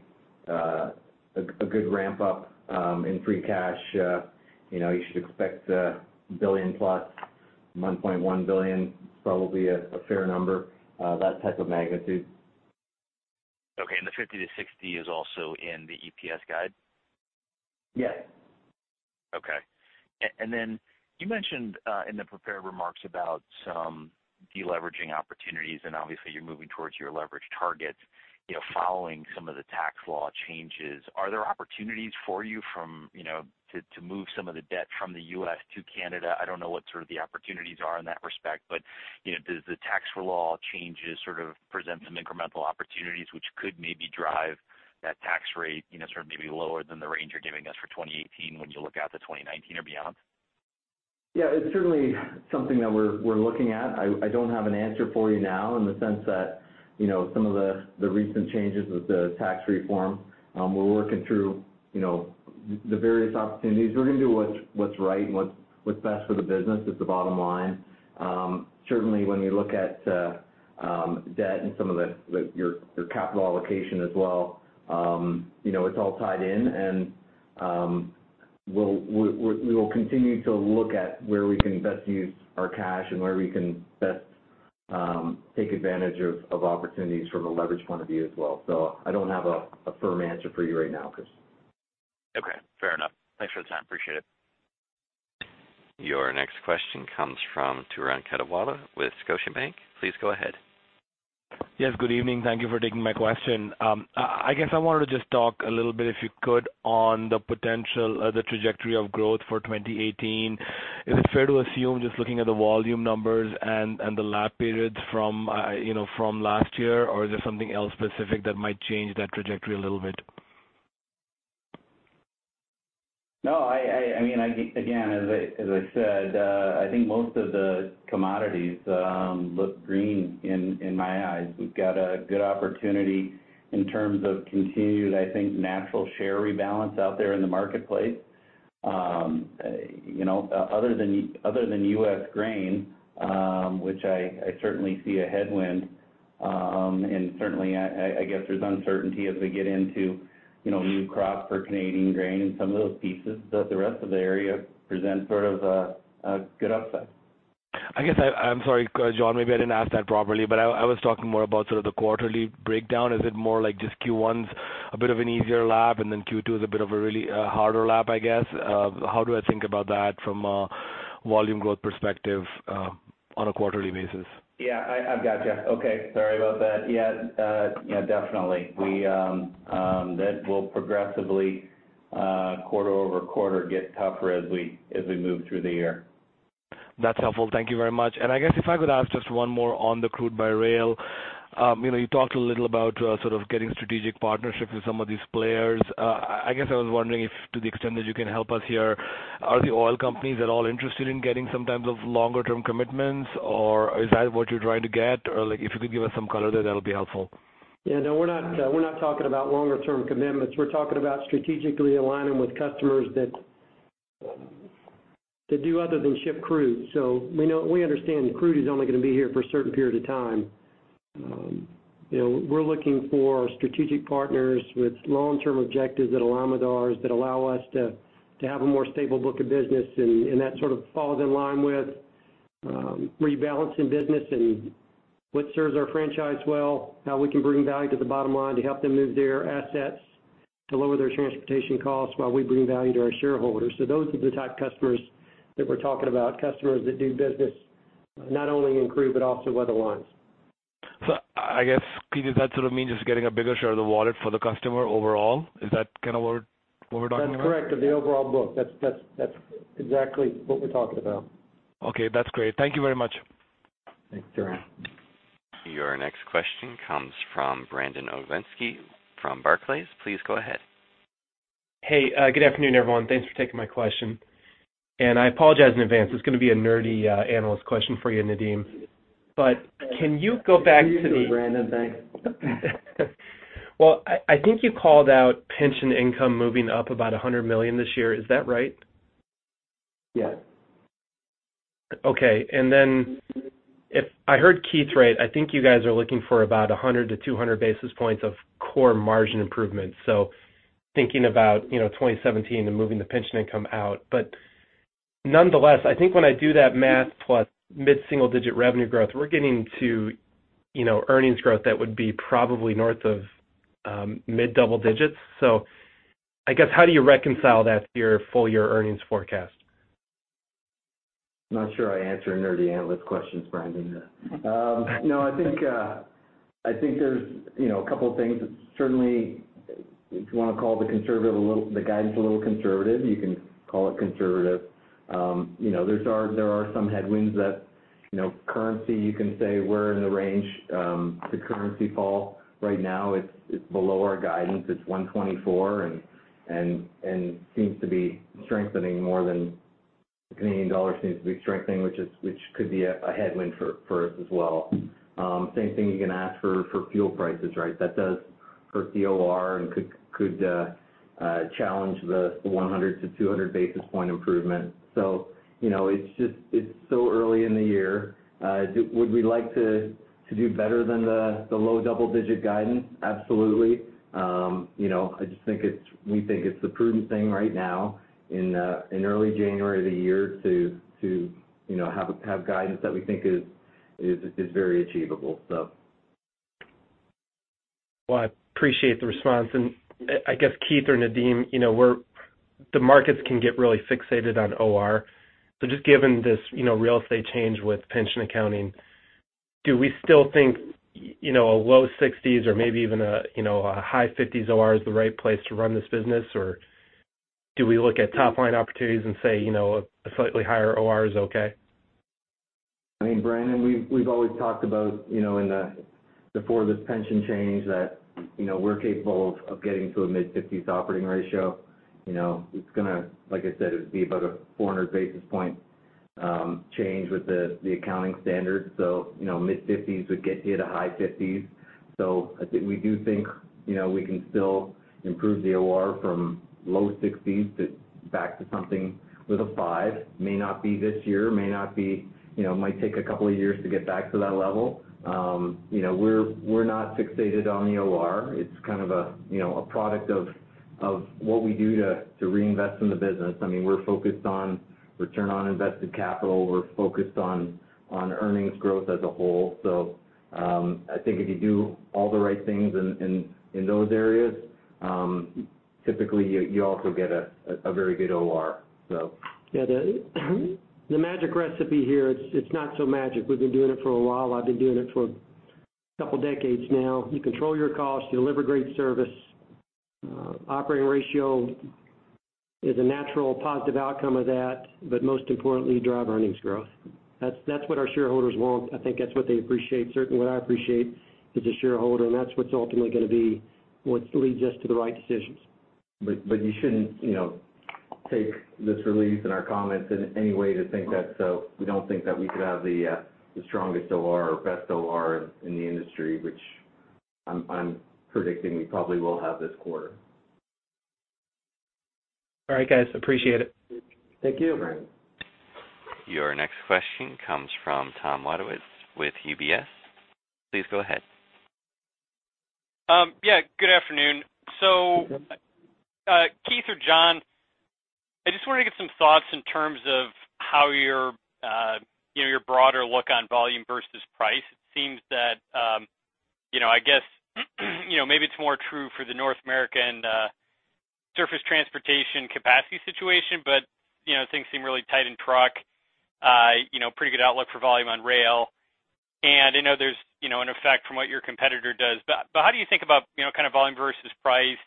a good ramp-up in free cash. You should expect $1+ billion, $1.1 billion. It's probably a fair number, that type of magnitude. Okay. And the $50 million-$60 million is also in the EPS guide? Yes. Okay. Then you mentioned in the prepared remarks about some deleveraging opportunities, and obviously, you're moving towards your leverage targets following some of the tax law changes. Are there opportunities for you to move some of the debt from the U.S. to Canada? I don't know what sort of the opportunities are in that respect, but does the tax law changes sort of present some incremental opportunities, which could maybe drive that tax rate sort of maybe lower than the range you're giving us for 2018 when you look out to 2019 or beyond? Yeah. It's certainly something that we're looking at. I don't have an answer for you now in the sense that some of the recent changes with the tax reform, we're working through the various opportunities. We're going to do what's right and what's best for the business. It's the bottom line. Certainly, when we look at debt and some of your capital allocation as well, it's all tied in. And we will continue to look at where we can best use our cash and where we can best take advantage of opportunities from a leverage point of view as well. So I don't have a firm answer for you right now, Chris. Okay. Fair enough. Thanks for the time. Appreciate it. Your next question comes from Turan Quettawala with Scotiabank. Please go ahead. Yes. Good evening. Thank you for taking my question. I guess I wanted to just talk a little bit, if you could, on the potential, the trajectory of growth for 2018. Is it fair to assume, just looking at the volume numbers and the lap periods from last year, or is there something else specific that might change that trajectory a little bit? No. I mean, again, as I said, I think most of the commodities look green in my eyes. We've got a good opportunity in terms of continued, I think, natural share rebalance out there in the marketplace. Other than U.S. grain, which I certainly see a headwind, and certainly, I guess there's uncertainty as we get into new crops for Canadian grain and some of those pieces, but the rest of the area presents sort of a good upside. I guess I'm sorry, John. Maybe I didn't ask that properly, but I was talking more about sort of the quarterly breakdown. Is it more like just Q1's a bit of an easier lap and then Q2's a bit of a really harder lap, I guess? How do I think about that from a volume growth perspective on a quarterly basis? Yeah. I've gotcha. Okay. Sorry about that. Yeah. Definitely. We'll progressively, quarter-over-quarter, get tougher as we move through the year. That's helpful. Thank you very much. I guess if I could ask just one more on the crude by rail. You talked a little about sort of getting strategic partnerships with some of these players. I guess I was wondering if, to the extent that you can help us here, are the oil companies at all interested in getting some types of longer-term commitments, or is that what you're trying to get? Or if you could give us some color there, that'll be helpful. Yeah. No. We're not talking about longer-term commitments. We're talking about strategically aligning with customers that do other than ship crude. So we understand crude is only going to be here for a certain period of time. We're looking for strategic partners with long-term objectives that align with ours, that allow us to have a more stable book of business, and that sort of falls in line with rebalancing business and what serves our franchise well, how we can bring value to the bottom line to help them move their assets to lower their transportation costs while we bring value to our shareholders. So those are the type of customers that we're talking about, customers that do business not only in crude but also other lines. So I guess, Keith, does that sort of mean just getting a bigger share of the wallet for the customer overall? Is that kind of what we're talking about? That's correct. Of the overall book. That's exactly what we're talking about. Okay. That's great. Thank you very much. Thanks, Turan. Your next question comes from Brandon Oglenski from Barclays. Please go ahead. Hey. Good afternoon, everyone. Thanks for taking my question. I apologize in advance. It's going to be a nerdy analyst question for you, Nadeem. Can you go back to the. Thank you, Brandon. Thanks. Well, I think you called out pension income moving up about $100 million this year. Is that right? Yes. Okay. And then I heard Keith right. I think you guys are looking for about 100-200 basis points of core margin improvement, so thinking about 2017 and moving the pension income out. But nonetheless, I think when I do that math plus mid-single-digit revenue growth, we're getting to earnings growth that would be probably north of mid-double digits. So I guess how do you reconcile that to your full-year earnings forecast? Not sure I answered nerdy analyst questions, Brandon. No. I think there's a couple of things. Certainly, if you want to call the guidance a little conservative, you can call it conservative. There are some headwinds that currency, you can say, we're in the range. The currency fall right now, it's below our guidance. It's 124 and seems to be strengthening more than the Canadian dollar seems to be strengthening, which could be a headwind for us as well. Same thing you can ask for fuel prices, right? That does hurt the OR and could challenge the 100-200 basis point improvement. So it's so early in the year. Would we like to do better than the low double-digit guidance? Absolutely. I just think we think it's the prudent thing right now in early January of the year to have guidance that we think is very achievable, so. Well, I appreciate the response. And I guess, Keith or Nadeem, the markets can get really fixated on OR. So just given this real estate change with pension accounting, do we still think a low 60s or maybe even a high 50s OR is the right place to run this business, or do we look at top-line opportunities and say a slightly higher OR is okay? I mean, Brandon, we've always talked about before this pension change that we're capable of getting to a mid-50s operating ratio. It's going to, like I said, it would be about a 400 basis points change with the accounting standard. So mid-50s would get hit a high 50s. So we do think we can still improve the OR from low 60s back to something with a 5. May not be this year. It might take a couple of years to get back to that level. We're not fixated on the OR. It's kind of a product of what we do to reinvest in the business. I mean, we're focused on return on invested capital. We're focused on earnings growth as a whole. So I think if you do all the right things in those areas, typically, you also get a very good OR, so. Yeah. The magic recipe here, it's not so magic. We've been doing it for a while. I've been doing it for a couple of decades now. You control your cost. You deliver great service. Operating Ratio is a natural positive outcome of that, but most importantly, drive earnings growth. That's what our shareholders want. I think that's what they appreciate. Certainly, what I appreciate as a shareholder, and that's what's ultimately going to be what leads us to the right decisions. You shouldn't take this release and our comments in any way to think that's so. We don't think that we could have the strongest OR or best OR in the industry, which I'm predicting we probably will have this quarter. All right, guys. Appreciate it. Thank you. Your next question comes from Tom Wadewitz with UBS. Please go ahead. Yeah. Good afternoon. So Keith or John, I just wanted to get some thoughts in terms of how your broader look on volume versus price. It seems that, I guess, maybe it's more true for the North American surface transportation capacity situation, but things seem really tight in truck. Pretty good outlook for volume on rail. And I know there's an effect from what your competitor does. But how do you think about kind of volume versus price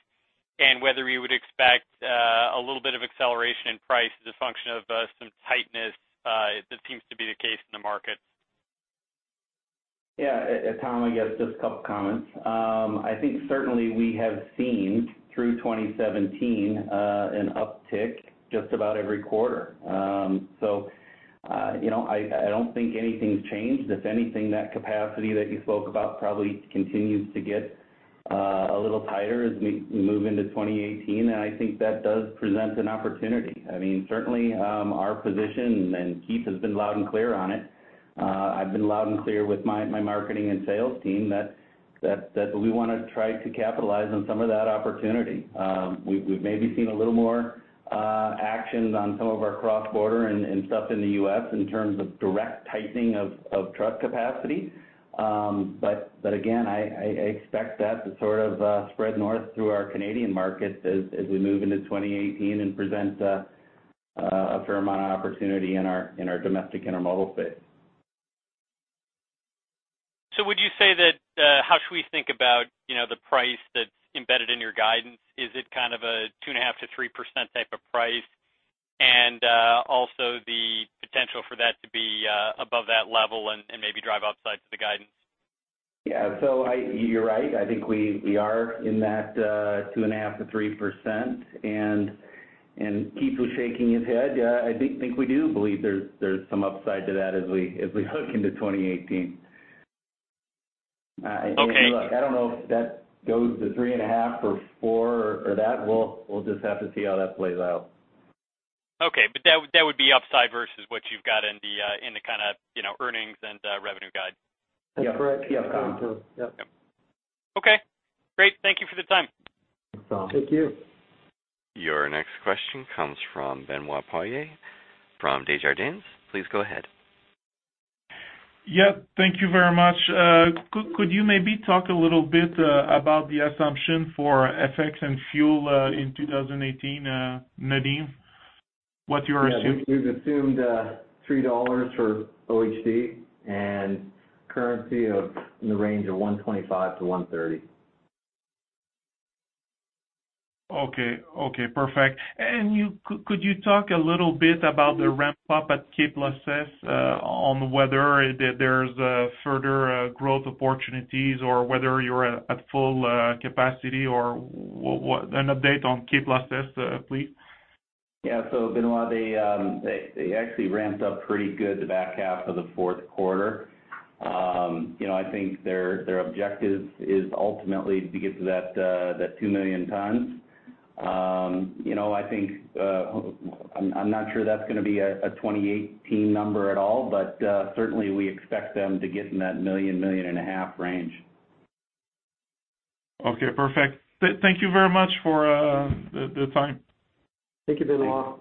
and whether you would expect a little bit of acceleration in price as a function of some tightness that seems to be the case in the markets? Yeah. Tom, I guess, just a couple of comments. I think certainly, we have seen through 2017 an uptick just about every quarter. So I don't think anything's changed. If anything, that capacity that you spoke about probably continues to get a little tighter as we move into 2018. And I think that does present an opportunity. I mean, certainly, our position and Keith has been loud and clear on it. I've been loud and clear with my marketing and sales team that we want to try to capitalize on some of that opportunity. We've maybe seen a little more action on some of our cross-border and stuff in the U.S. in terms of direct tightening of truck capacity. But again, I expect that to sort of spread north through our Canadian markets as we move into 2018 and present a fair amount of opportunity in our domestic intermodal space. Would you say that how should we think about the price that's embedded in your guidance? Is it kind of a 2.5%-3% type of price and also the potential for that to be above that level and maybe drive upside to the guidance? Yeah. So you're right. I think we are in that 2.5%-3%. And Keith was shaking his head. I think we do believe there's some upside to that as we look into 2018. I mean, look, I don't know if that goes to 3.5% or 4% or that. We'll just have to see how that plays out. Okay. But that would be upside versus what you've got in the kind of earnings and revenue guide. That's correct. Yep, Tom. Yep. Okay. Great. Thank you for the time. Thanks, Tom. Your next question comes from Benoit Poirier from Desjardins. Please go ahead. Yep. Thank you very much. Could you maybe talk a little bit about the assumption for FX and fuel in 2018, Nadeem, what you are assuming? Yeah. We've assumed $3 for OHD and currency in the range of 125-130. Okay. Okay. Perfect. Could you talk a little bit about the ramp-up at K+S on whether there's further growth opportunities or whether you're at full capacity or an update on K+S, please? Yeah. So Benoit, they actually ramped up pretty good the back half of the fourth quarter. I think their objective is ultimately to get to that 2 million tons. I think, I'm not sure that's going to be a 2018 number at all, but certainly, we expect them to get in that 1 million-1.5 million range. Okay. Perfect. Thank you very much for the time. Thank you, Benoit Poirier.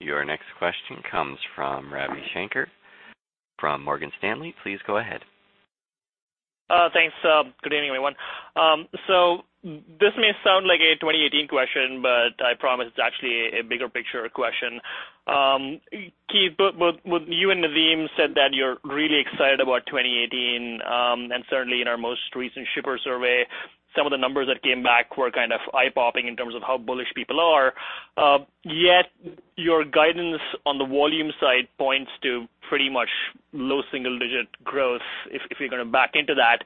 Your next question comes from Ravi Shanker from Morgan Stanley. Please go ahead. Thanks. Good evening, everyone. So this may sound like a 2018 question, but I promise it's actually a bigger picture question. Keith, both you and Nadeem said that you're really excited about 2018. And certainly, in our most recent shipper survey, some of the numbers that came back were kind of eye-popping in terms of how bullish people are. Yet, your guidance on the volume side points to pretty much low single-digit growth if you're going to back into that.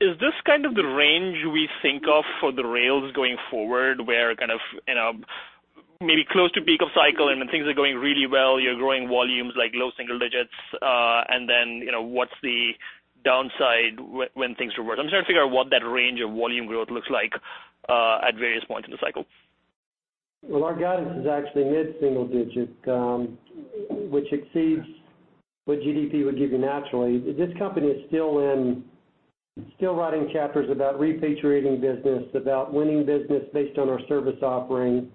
Is this kind of the range we think of for the rails going forward where kind of maybe close to peak of cycle and when things are going really well, you're growing volumes like low single digits? And then what's the downside when things reverse? I'm trying to figure out what that range of volume growth looks like at various points in the cycle. Well, our guidance is actually mid-single digit, which exceeds what GDP would give you naturally. This company is still writing chapters about repatriating business, about winning business based on our service offering.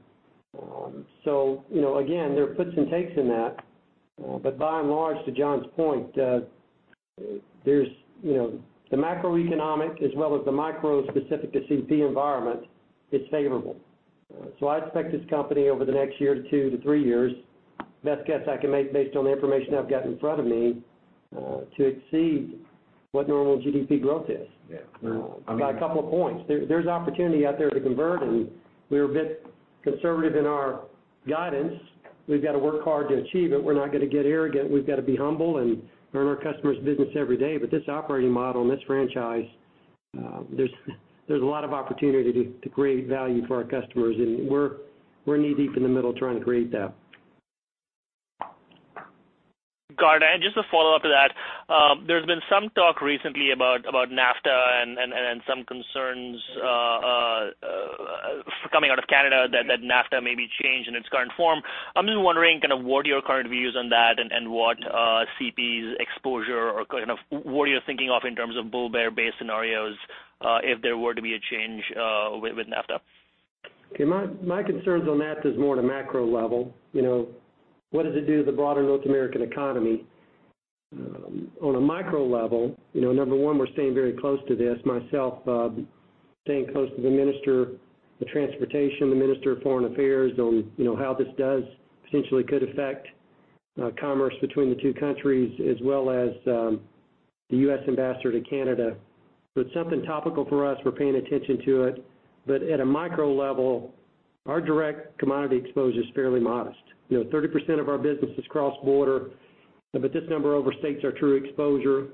So again, there are puts and takes in that. But by and large, to John's point, the macroeconomic as well as the micro-specific to CP environment is favorable. So I expect this company over the next year to two to three years, best guess I can make based on the information I've got in front of me, to exceed what normal GDP growth is. By a couple of points. There's opportunity out there to convert, and we're a bit conservative in our guidance. We've got to work hard to achieve it. We're not going to get arrogant. We've got to be humble and earn our customers' business every day. This operating model and this franchise, there's a lot of opportunity to create value for our customers. We're knee-deep in the middle trying to create that. Got it. Just a follow-up to that, there's been some talk recently about NAFTA and some concerns coming out of Canada that NAFTA may be changed in its current form. I'm just wondering kind of what your current views on that and what CP's exposure or kind of what you're thinking of in terms of bull, bear, base scenarios if there were to be a change with NAFTA. Okay. My concerns on that is more at a macro level. What does it do to the broader North American economy? On a micro level, number one, we're staying very close to this, myself staying close to the Minister of Transportation, the Minister of Foreign Affairs on how this potentially could affect commerce between the two countries as well as the U.S. Ambassador to Canada. So it's something topical for us. We're paying attention to it. But at a micro level, our direct commodity exposure is fairly modest. 30% of our business is cross-border, but this number overstates our true exposure.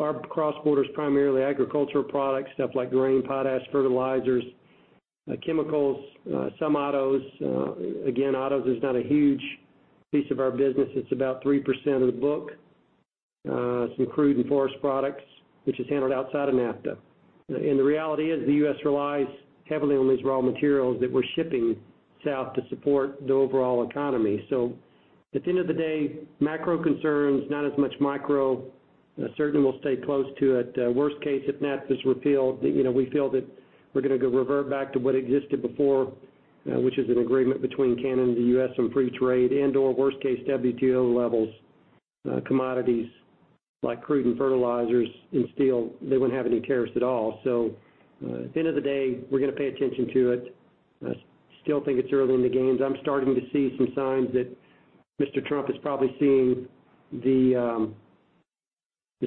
Our cross-border is primarily agricultural products, stuff like grain, potash, fertilizers, chemicals, some autos. Again, autos is not a huge piece of our business. It's about 3% of the book. Some crude and forest products, which is handled outside of NAFTA. The reality is the U.S. relies heavily on these raw materials that we're shipping south to support the overall economy. So at the end of the day, macro concerns, not as much micro. Certainly, we'll stay close to it. Worst case, if NAFTA is repealed, we feel that we're going to revert back to what existed before, which is an agreement between Canada and the U.S. on free trade and/or worst case, WTO levels, commodities like crude and fertilizers and steel. They wouldn't have any tariffs at all. So at the end of the day, we're going to pay attention to it. Still think it's early in the games. I'm starting to see some signs that Mr. Trump is probably seeing the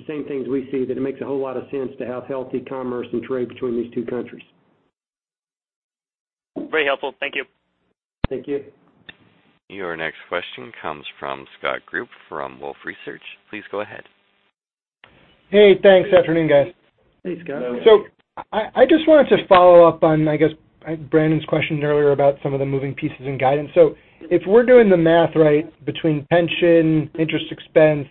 same things we see, that it makes a whole lot of sense to have healthy commerce and trade between these two countries. Very helpful. Thank you. Thank you. Your next question comes from Scott Group from Wolfe Research. Please go ahead. Hey. Thanks. Afternoon, guys. Hey, Scott. So I just wanted to follow up on, I guess, Brandon's question earlier about some of the moving pieces in guidance. So if we're doing the math right between pension, interest expense,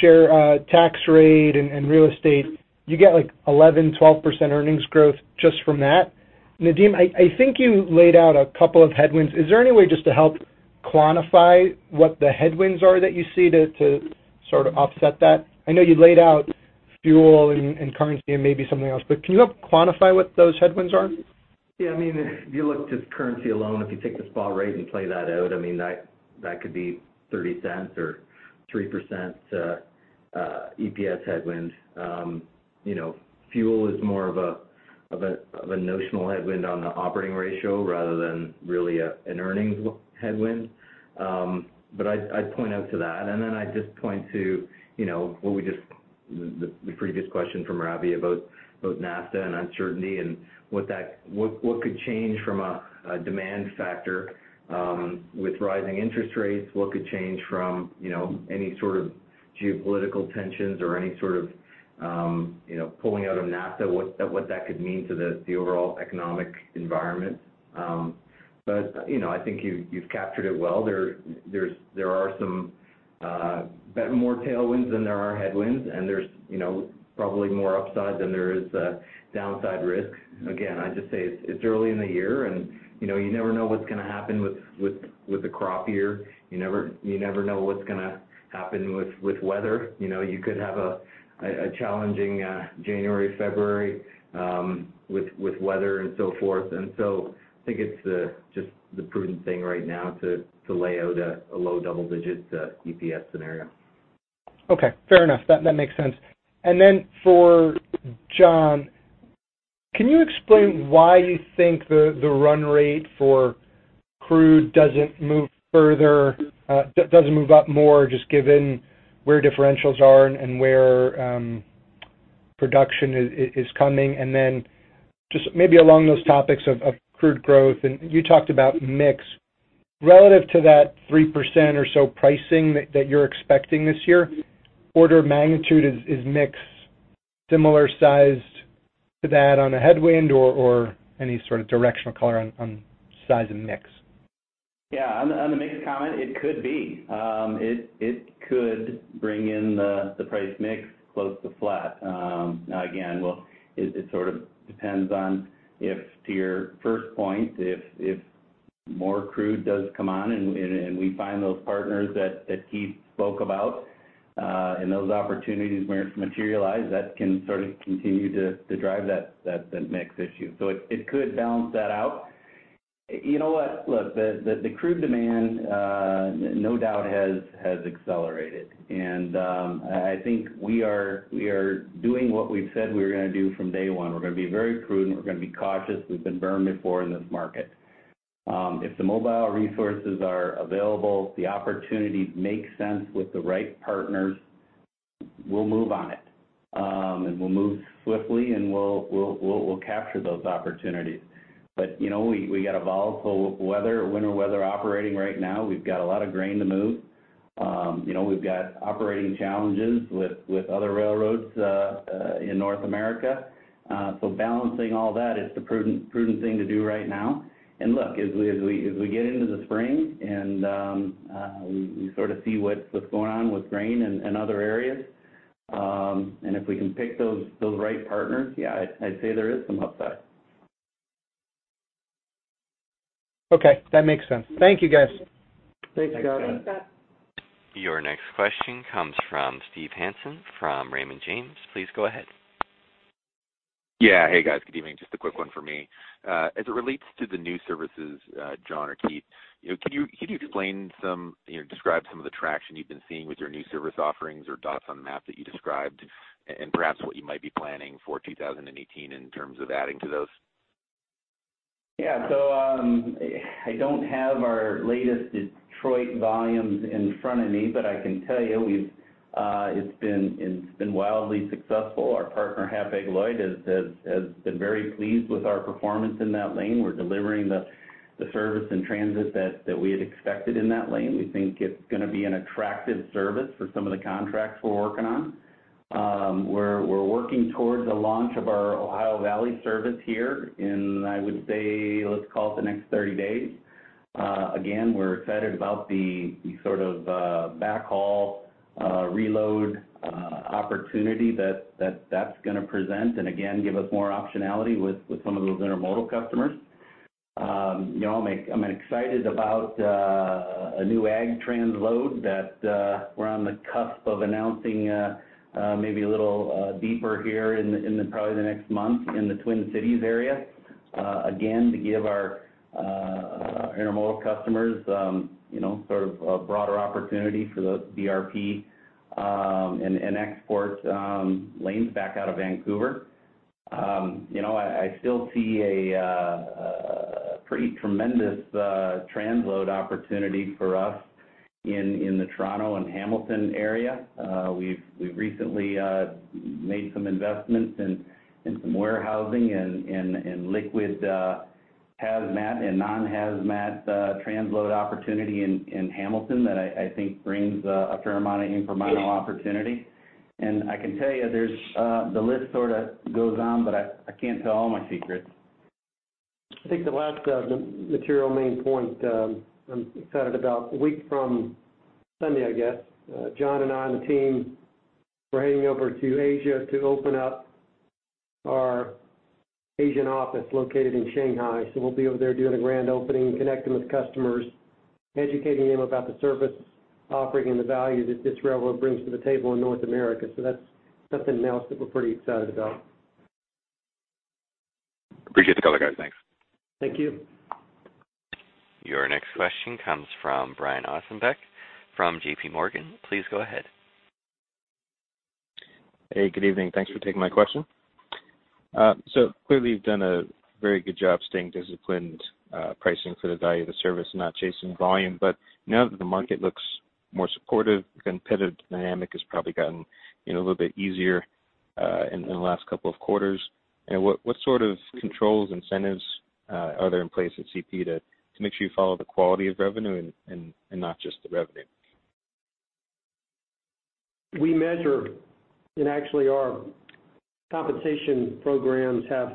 share, tax rate, and real estate, you get like 11%-12% earnings growth just from that. Nadeem, I think you laid out a couple of headwinds. Is there any way just to help quantify what the headwinds are that you see to sort of offset that? I know you laid out fuel and currency and maybe something else, but can you help quantify what those headwinds are? Yeah. I mean, if you look just currency alone, if you take the spot rate and play that out, I mean, that could be $0.30 or 3% EPS headwind. Fuel is more of a notional headwind on the operating ratio rather than really an earnings headwind. But I'd point out to that. And then I'd just point to what we just the previous question from Ravi about NAFTA and uncertainty and what could change from a demand factor with rising interest rates. What could change from any sort of geopolitical tensions or any sort of pulling out of NAFTA, what that could mean to the overall economic environment? But I think you've captured it well. There are some more tailwinds than there are headwinds, and there's probably more upside than there is downside risk. Again, I just say it's early in the year, and you never know what's going to happen with a crop year. You never know what's going to happen with weather. You could have a challenging January, February with weather and so forth. And so I think it's just the prudent thing right now to lay out a low double-digit EPS scenario. Okay. Fair enough. That makes sense. And then for John, can you explain why you think the run rate for crude doesn't move further, doesn't move up more just given where differentials are and where production is coming? And then just maybe along those topics of crude growth, and you talked about mix. Relative to that 3% or so pricing that you're expecting this year, order of magnitude is mix similar sized to that on a headwind or any sort of directional color on size of mix? Yeah. On the mix comment, it could be. It could bring in the price mix close to flat. Now, again, it sort of depends on if, to your first point, if more crude does come on and we find those partners that Keith spoke about in those opportunities where it's materialized, that can sort of continue to drive that mix issue. So it could balance that out. You know what? Look, the crude demand, no doubt, has accelerated. And I think we are doing what we've said we were going to do from day one. We're going to be very prudent. We're going to be cautious. We've been burned before in this market. If the mobile resources are available, the opportunities make sense with the right partners, we'll move on it. And we'll move swiftly, and we'll capture those opportunities. But we got a volatile winter weather operating right now. We've got a lot of grain to move. We've got operating challenges with other railroads in North America. So balancing all that, it's the prudent thing to do right now. And look, as we get into the spring and we sort of see what's going on with grain and other areas, and if we can pick those right partners, yeah, I'd say there is some upside. Okay. That makes sense. Thank you, guys. Thanks, Scott. Thanks, Scott. Your next question comes from Steve Hansen from Raymond James. Please go ahead. Yeah. Hey, guys. Good evening. Just a quick one from me. As it relates to the new services, John or Keith, could you explain or describe some of the traction you've been seeing with your new service offerings or dots on the map that you described and perhaps what you might be planning for 2018 in terms of adding to those? Yeah. So I don't have our latest Detroit volumes in front of me, but I can tell you it's been wildly successful. Our partner, Hapag-Lloyd, has been very pleased with our performance in that lane. We're delivering the service and transit that we had expected in that lane. We think it's going to be an attractive service for some of the contracts we're working on. We're working towards a launch of our Ohio Valley service here in, I would say, let's call it the next 30 days. Again, we're excited about the sort of backhaul reload opportunity that that's going to present and, again, give us more optionality with some of those intermodal customers. I'm excited about a new ag transload that we're on the cusp of announcing maybe a little deeper here in probably the next month in the Twin Cities area, again, to give our intermodal customers sort of a broader opportunity for the DRP and export lanes back out of Vancouver. I still see a pretty tremendous transload opportunity for us in the Toronto and Hamilton area. We've recently made some investments in some warehousing and liquid hazmat and non-hazmat transload opportunity in Hamilton that I think brings a fair amount of incremental opportunity. And I can tell you the list sort of goes on, but I can't tell all my secrets. I think the last material main point I'm excited about a week from Sunday, I guess, John and I on the team, we're heading over to Asia to open up our Asian office located in Shanghai. So we'll be over there doing a grand opening, connecting with customers, educating them about the service offering and the value that this railroad brings to the table in North America. So that's something else that we're pretty excited about. Appreciate the color, guys. Thanks. Thank you. Your next question comes from Brian Ossenbeck from JPMorgan. Please go ahead. Hey. Good evening. Thanks for taking my question. So clearly, you've done a very good job staying disciplined, pricing for the value of the service, not chasing volume. But now that the market looks more supportive, the competitive dynamic has probably gotten a little bit easier in the last couple of quarters. And what sort of controls, incentives are there in place at CP to make sure you follow the quality of revenue and not just the revenue? We measure and actually, our compensation programs have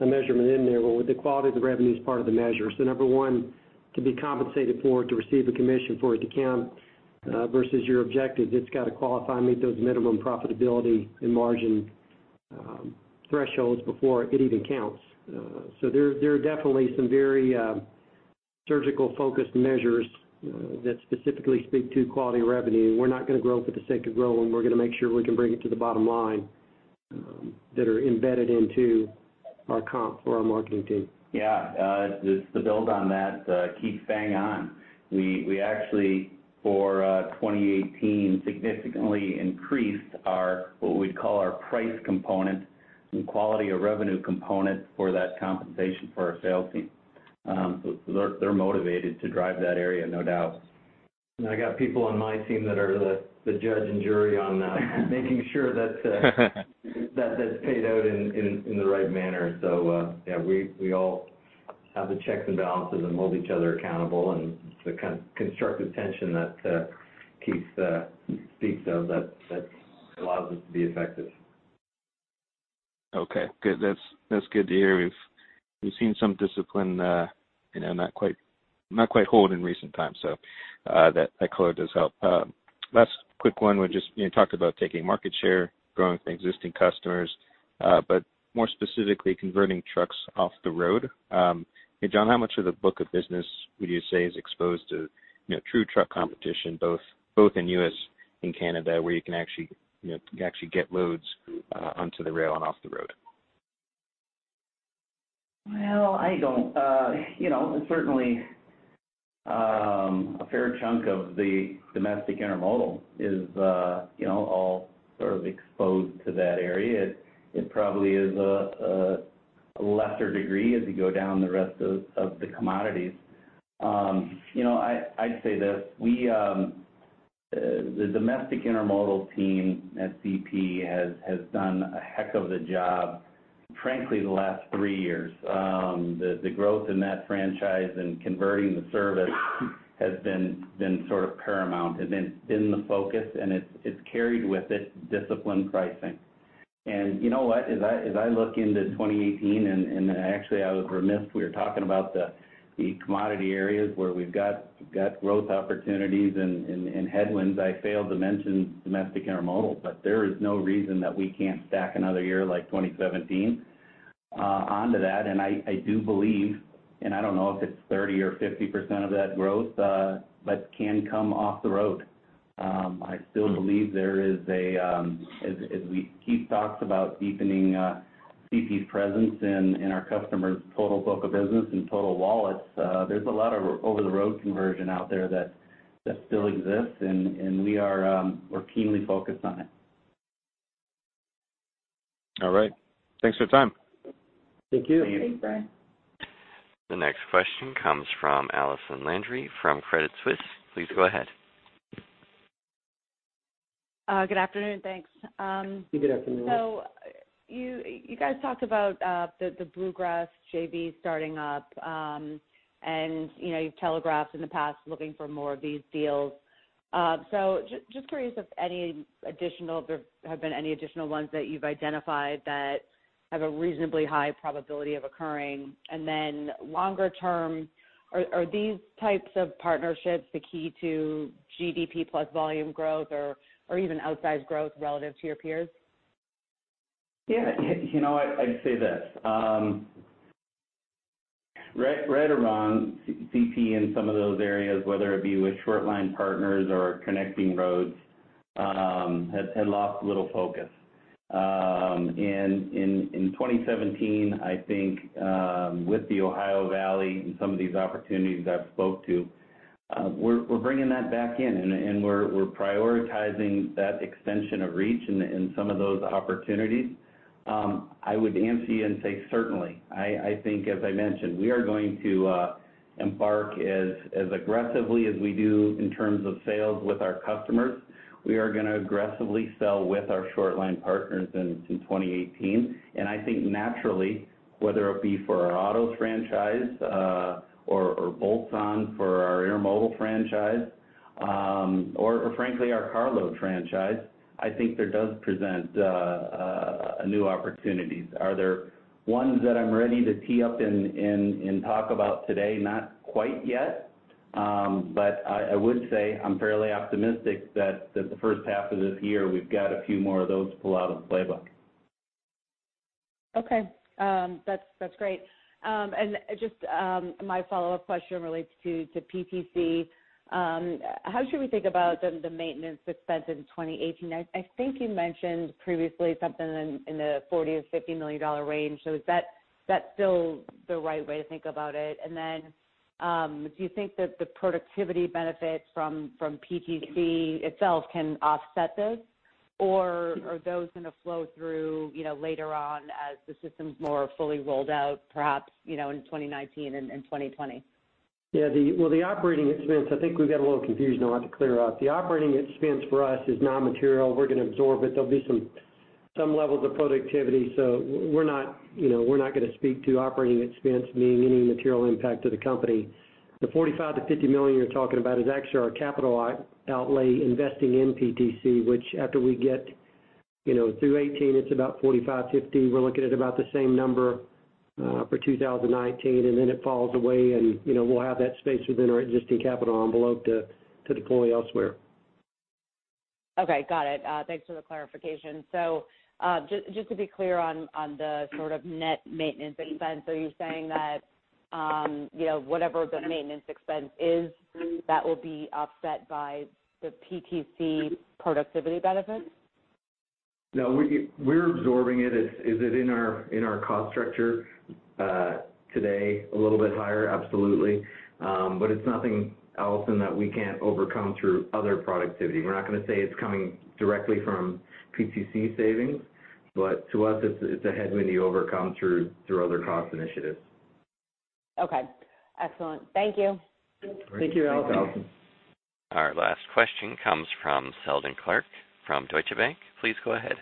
a measurement in there, but the quality of the revenue is part of the measure. So number one, to be compensated for, to receive a commission for it to count versus your objectives, it's got to qualify, meet those minimum profitability and margin thresholds before it even counts. So there are definitely some very surgical-focused measures that specifically speak to quality revenue. We're not going to grow for the sake of growing. We're going to make sure we can bring it to the bottom line that are embedded into our comp for our marketing team. Yeah. To build on that, Keith's bang on. We actually, for 2018, significantly increased what we'd call our price component and quality of revenue component for that compensation for our sales team. So they're motivated to drive that area, no doubt. And I got people on my team that are the judge and jury on making sure that that's paid out in the right manner. So yeah, we all have the checks and balances and hold each other accountable. And the constructive tension that Keith speaks of, that allows us to be effective. Okay. Good. That's good to hear. We've seen some discipline not quite hold in recent times, so that color does help. Last quick one, we just talked about taking market share, growing with existing customers, but more specifically, converting trucks off the road. Hey, John, how much of the book of business would you say is exposed to true truck competition, both in the U.S. and Canada, where you can actually get loads onto the rail and off the road? Well, I don't. Certainly, a fair chunk of the domestic intermodal is all sort of exposed to that area. It probably is a lesser degree as you go down the rest of the commodities. I'd say this. The domestic intermodal team at CP has done a heck of a job, frankly, the last three years. The growth in that franchise and converting the service has been sort of paramount and been the focus. And it's carried with it disciplined pricing. And you know what? As I look into 2018, and actually, I was remiss. We were talking about the commodity areas where we've got growth opportunities and headwinds. I failed to mention domestic intermodal, but there is no reason that we can't stack another year like 2017 onto that. I do believe, and I don't know if it's 30% or 50% of that growth, but can come off the road. I still believe there is a, as Keith talks about deepening CP's presence in our customers' total book of business and total wallets, there's a lot of over-the-road conversion out there that still exists. And we're keenly focused on it. All right. Thanks for your time. Thank you. Thanks, Brian. The next question comes from Allison Landry from Credit Suisse. Please go ahead. Good afternoon. Thanks. Hey, good afternoon. You guys talked about the Bluegrass JV starting up. You've telegraphed in the past looking for more of these deals. Just curious if there have been any additional ones that you've identified that have a reasonably high probability of occurring. Then longer term, are these types of partnerships the key to GDP-plus volume growth or even outsized growth relative to your peers? Yeah. I'd say this. Right or wrong, CP in some of those areas, whether it be with short-line partners or connecting roads, had lost a little focus. And in 2017, I think with the Ohio Valley and some of these opportunities I've spoke to, we're bringing that back in, and we're prioritizing that extension of reach in some of those opportunities. I would answer you and say certainly. I think, as I mentioned, we are going to embark as aggressively as we do in terms of sales with our customers. We are going to aggressively sell with our short-line partners in 2018. And I think naturally, whether it be for our autos franchise or Bluegrass for our intermodal franchise or, frankly, our carload franchise, I think there does present a new opportunity. Are there ones that I'm ready to tee up and talk about today? Not quite yet. I would say I'm fairly optimistic that the first half of this year, we've got a few more of those pull out of the playbook. Okay. That's great. And just my follow-up question relates to PTC. How should we think about the maintenance expense in 2018? I think you mentioned previously something in the $40 million-$50 million range. So is that still the right way to think about it? And then do you think that the productivity benefits from PTC itself can offset this, or are those going to flow through later on as the system's more fully rolled out, perhaps in 2019 and 2020? Yeah. Well, the operating expense, I think we've got a little confusion on what to clear out. The operating expense for us is non-material. We're going to absorb it. There'll be some levels of productivity. So we're not going to speak to operating expense being any material impact to the company. The $45 million-$50 million you're talking about is actually our capital outlay investing in PTC, which after we get through 2018, it's about $45 million-$50 million. We're looking at about the same number for 2019. And then it falls away, and we'll have that space within our existing capital envelope to deploy elsewhere. Okay. Got it. Thanks for the clarification. So just to be clear on the sort of net maintenance expense, are you saying that whatever the maintenance expense is, that will be offset by the PTC productivity benefits? No. We're absorbing it. Is it in our cost structure today? A little bit higher, absolutely. But it's nothing, Allison, that we can't overcome through other productivity. We're not going to say it's coming directly from PTC savings. But to us, it's a headwind to overcome through other cost initiatives. Okay. Excellent. Thank you. Thank you, Allison. All right. Last question comes from Seldon Clarke from Deutsche Bank. Please go ahead.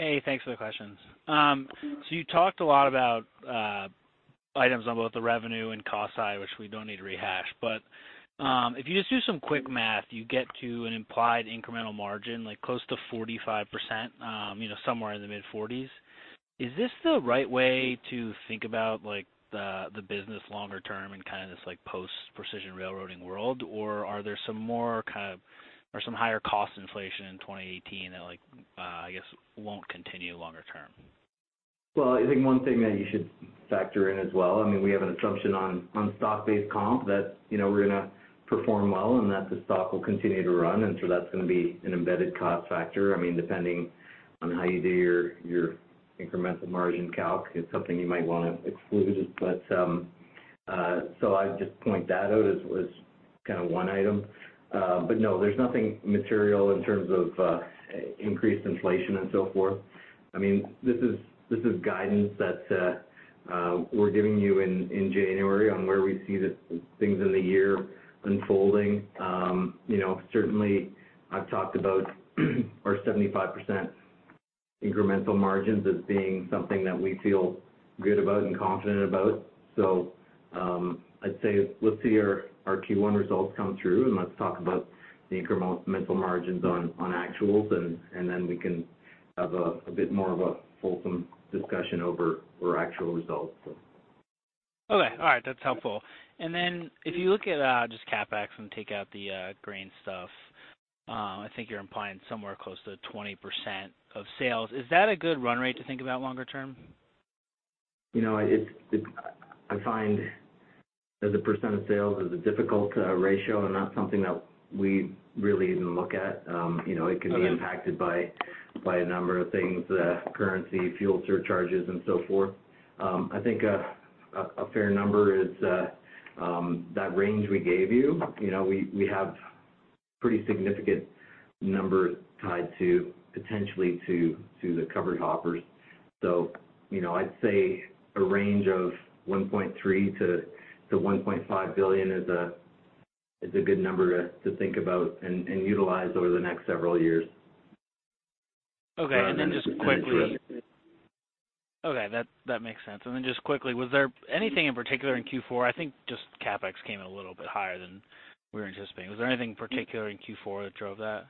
Hey. Thanks for the questions. So you talked a lot about items on both the revenue and cost side, which we don't need to rehash. But if you just do some quick math, you get to an implied incremental margin close to 45%, somewhere in the mid-40s. Is this the right way to think about the business longer term in kind of this post-precision railroading world, or are there some more kind of or some higher cost inflation in 2018 that, I guess, won't continue longer term? Well, I think one thing that you should factor in as well. I mean, we have an assumption on stock-based comp that we're going to perform well and that the stock will continue to run. And so that's going to be an embedded cost factor. I mean, depending on how you do your incremental margin calc, it's something you might want to exclude. So I'd just point that out as kind of one item. But no, there's nothing material in terms of increased inflation and so forth. I mean, this is guidance that we're giving you in January on where we see things in the year unfolding. Certainly, I've talked about our 75% incremental margins as being something that we feel good about and confident about. So I'd say let's see our Q1 results come through, and let's talk about the incremental margins on actuals, and then we can have a bit more of a fulsome discussion over actual results, so. Okay. All right. That's helpful. And then if you look at just CapEx and take out the grain stuff, I think you're implying somewhere close to 20% of sales. Is that a good run rate to think about longer term? I find that the % of sales is a difficult ratio and not something that we really even look at. It can be impacted by a number of things, currency, fuel surcharges, and so forth. I think a fair number is that range we gave you. We have pretty significant numbers tied potentially to the covered hoppers. So I'd say a range of $1.3 billion-$1.5 billion is a good number to think about and utilize over the next several years. Okay. That makes sense. And then just quickly, was there anything in particular in Q4? I think just CapEx came in a little bit higher than we were anticipating. Was there anything particular in Q4 that drove that?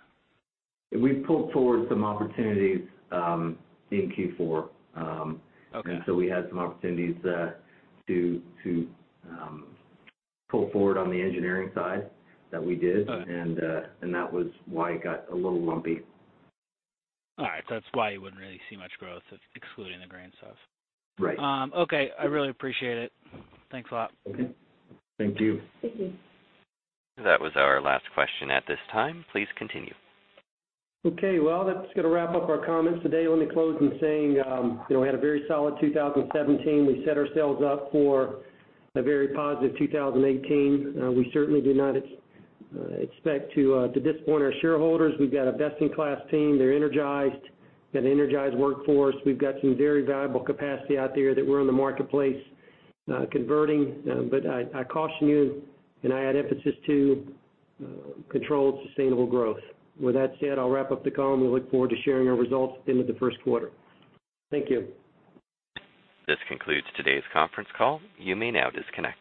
We pulled forward some opportunities in Q4. And so we had some opportunities to pull forward on the engineering side that we did. And that was why it got a little lumpy. All right. That's why you wouldn't really see much growth excluding the grain stuff. Right. Okay. I really appreciate it. Thanks a lot. Okay. Thank you. Thank you. That was our last question at this time. Please continue. Okay. Well, that's going to wrap up our comments today. Let me close in saying we had a very solid 2017. We set ourselves up for a very positive 2018. We certainly do not expect to disappoint our shareholders. We've got a best-in-class team. They're energized. We've got an energized workforce. We've got some very valuable capacity out there that we're in the marketplace converting. But I cautioned you, and I add emphasis to controlled, sustainable growth. With that said, I'll wrap up the call, and we look forward to sharing our results at the end of the first quarter. Thank you. This concludes today's conference call. You may now disconnect.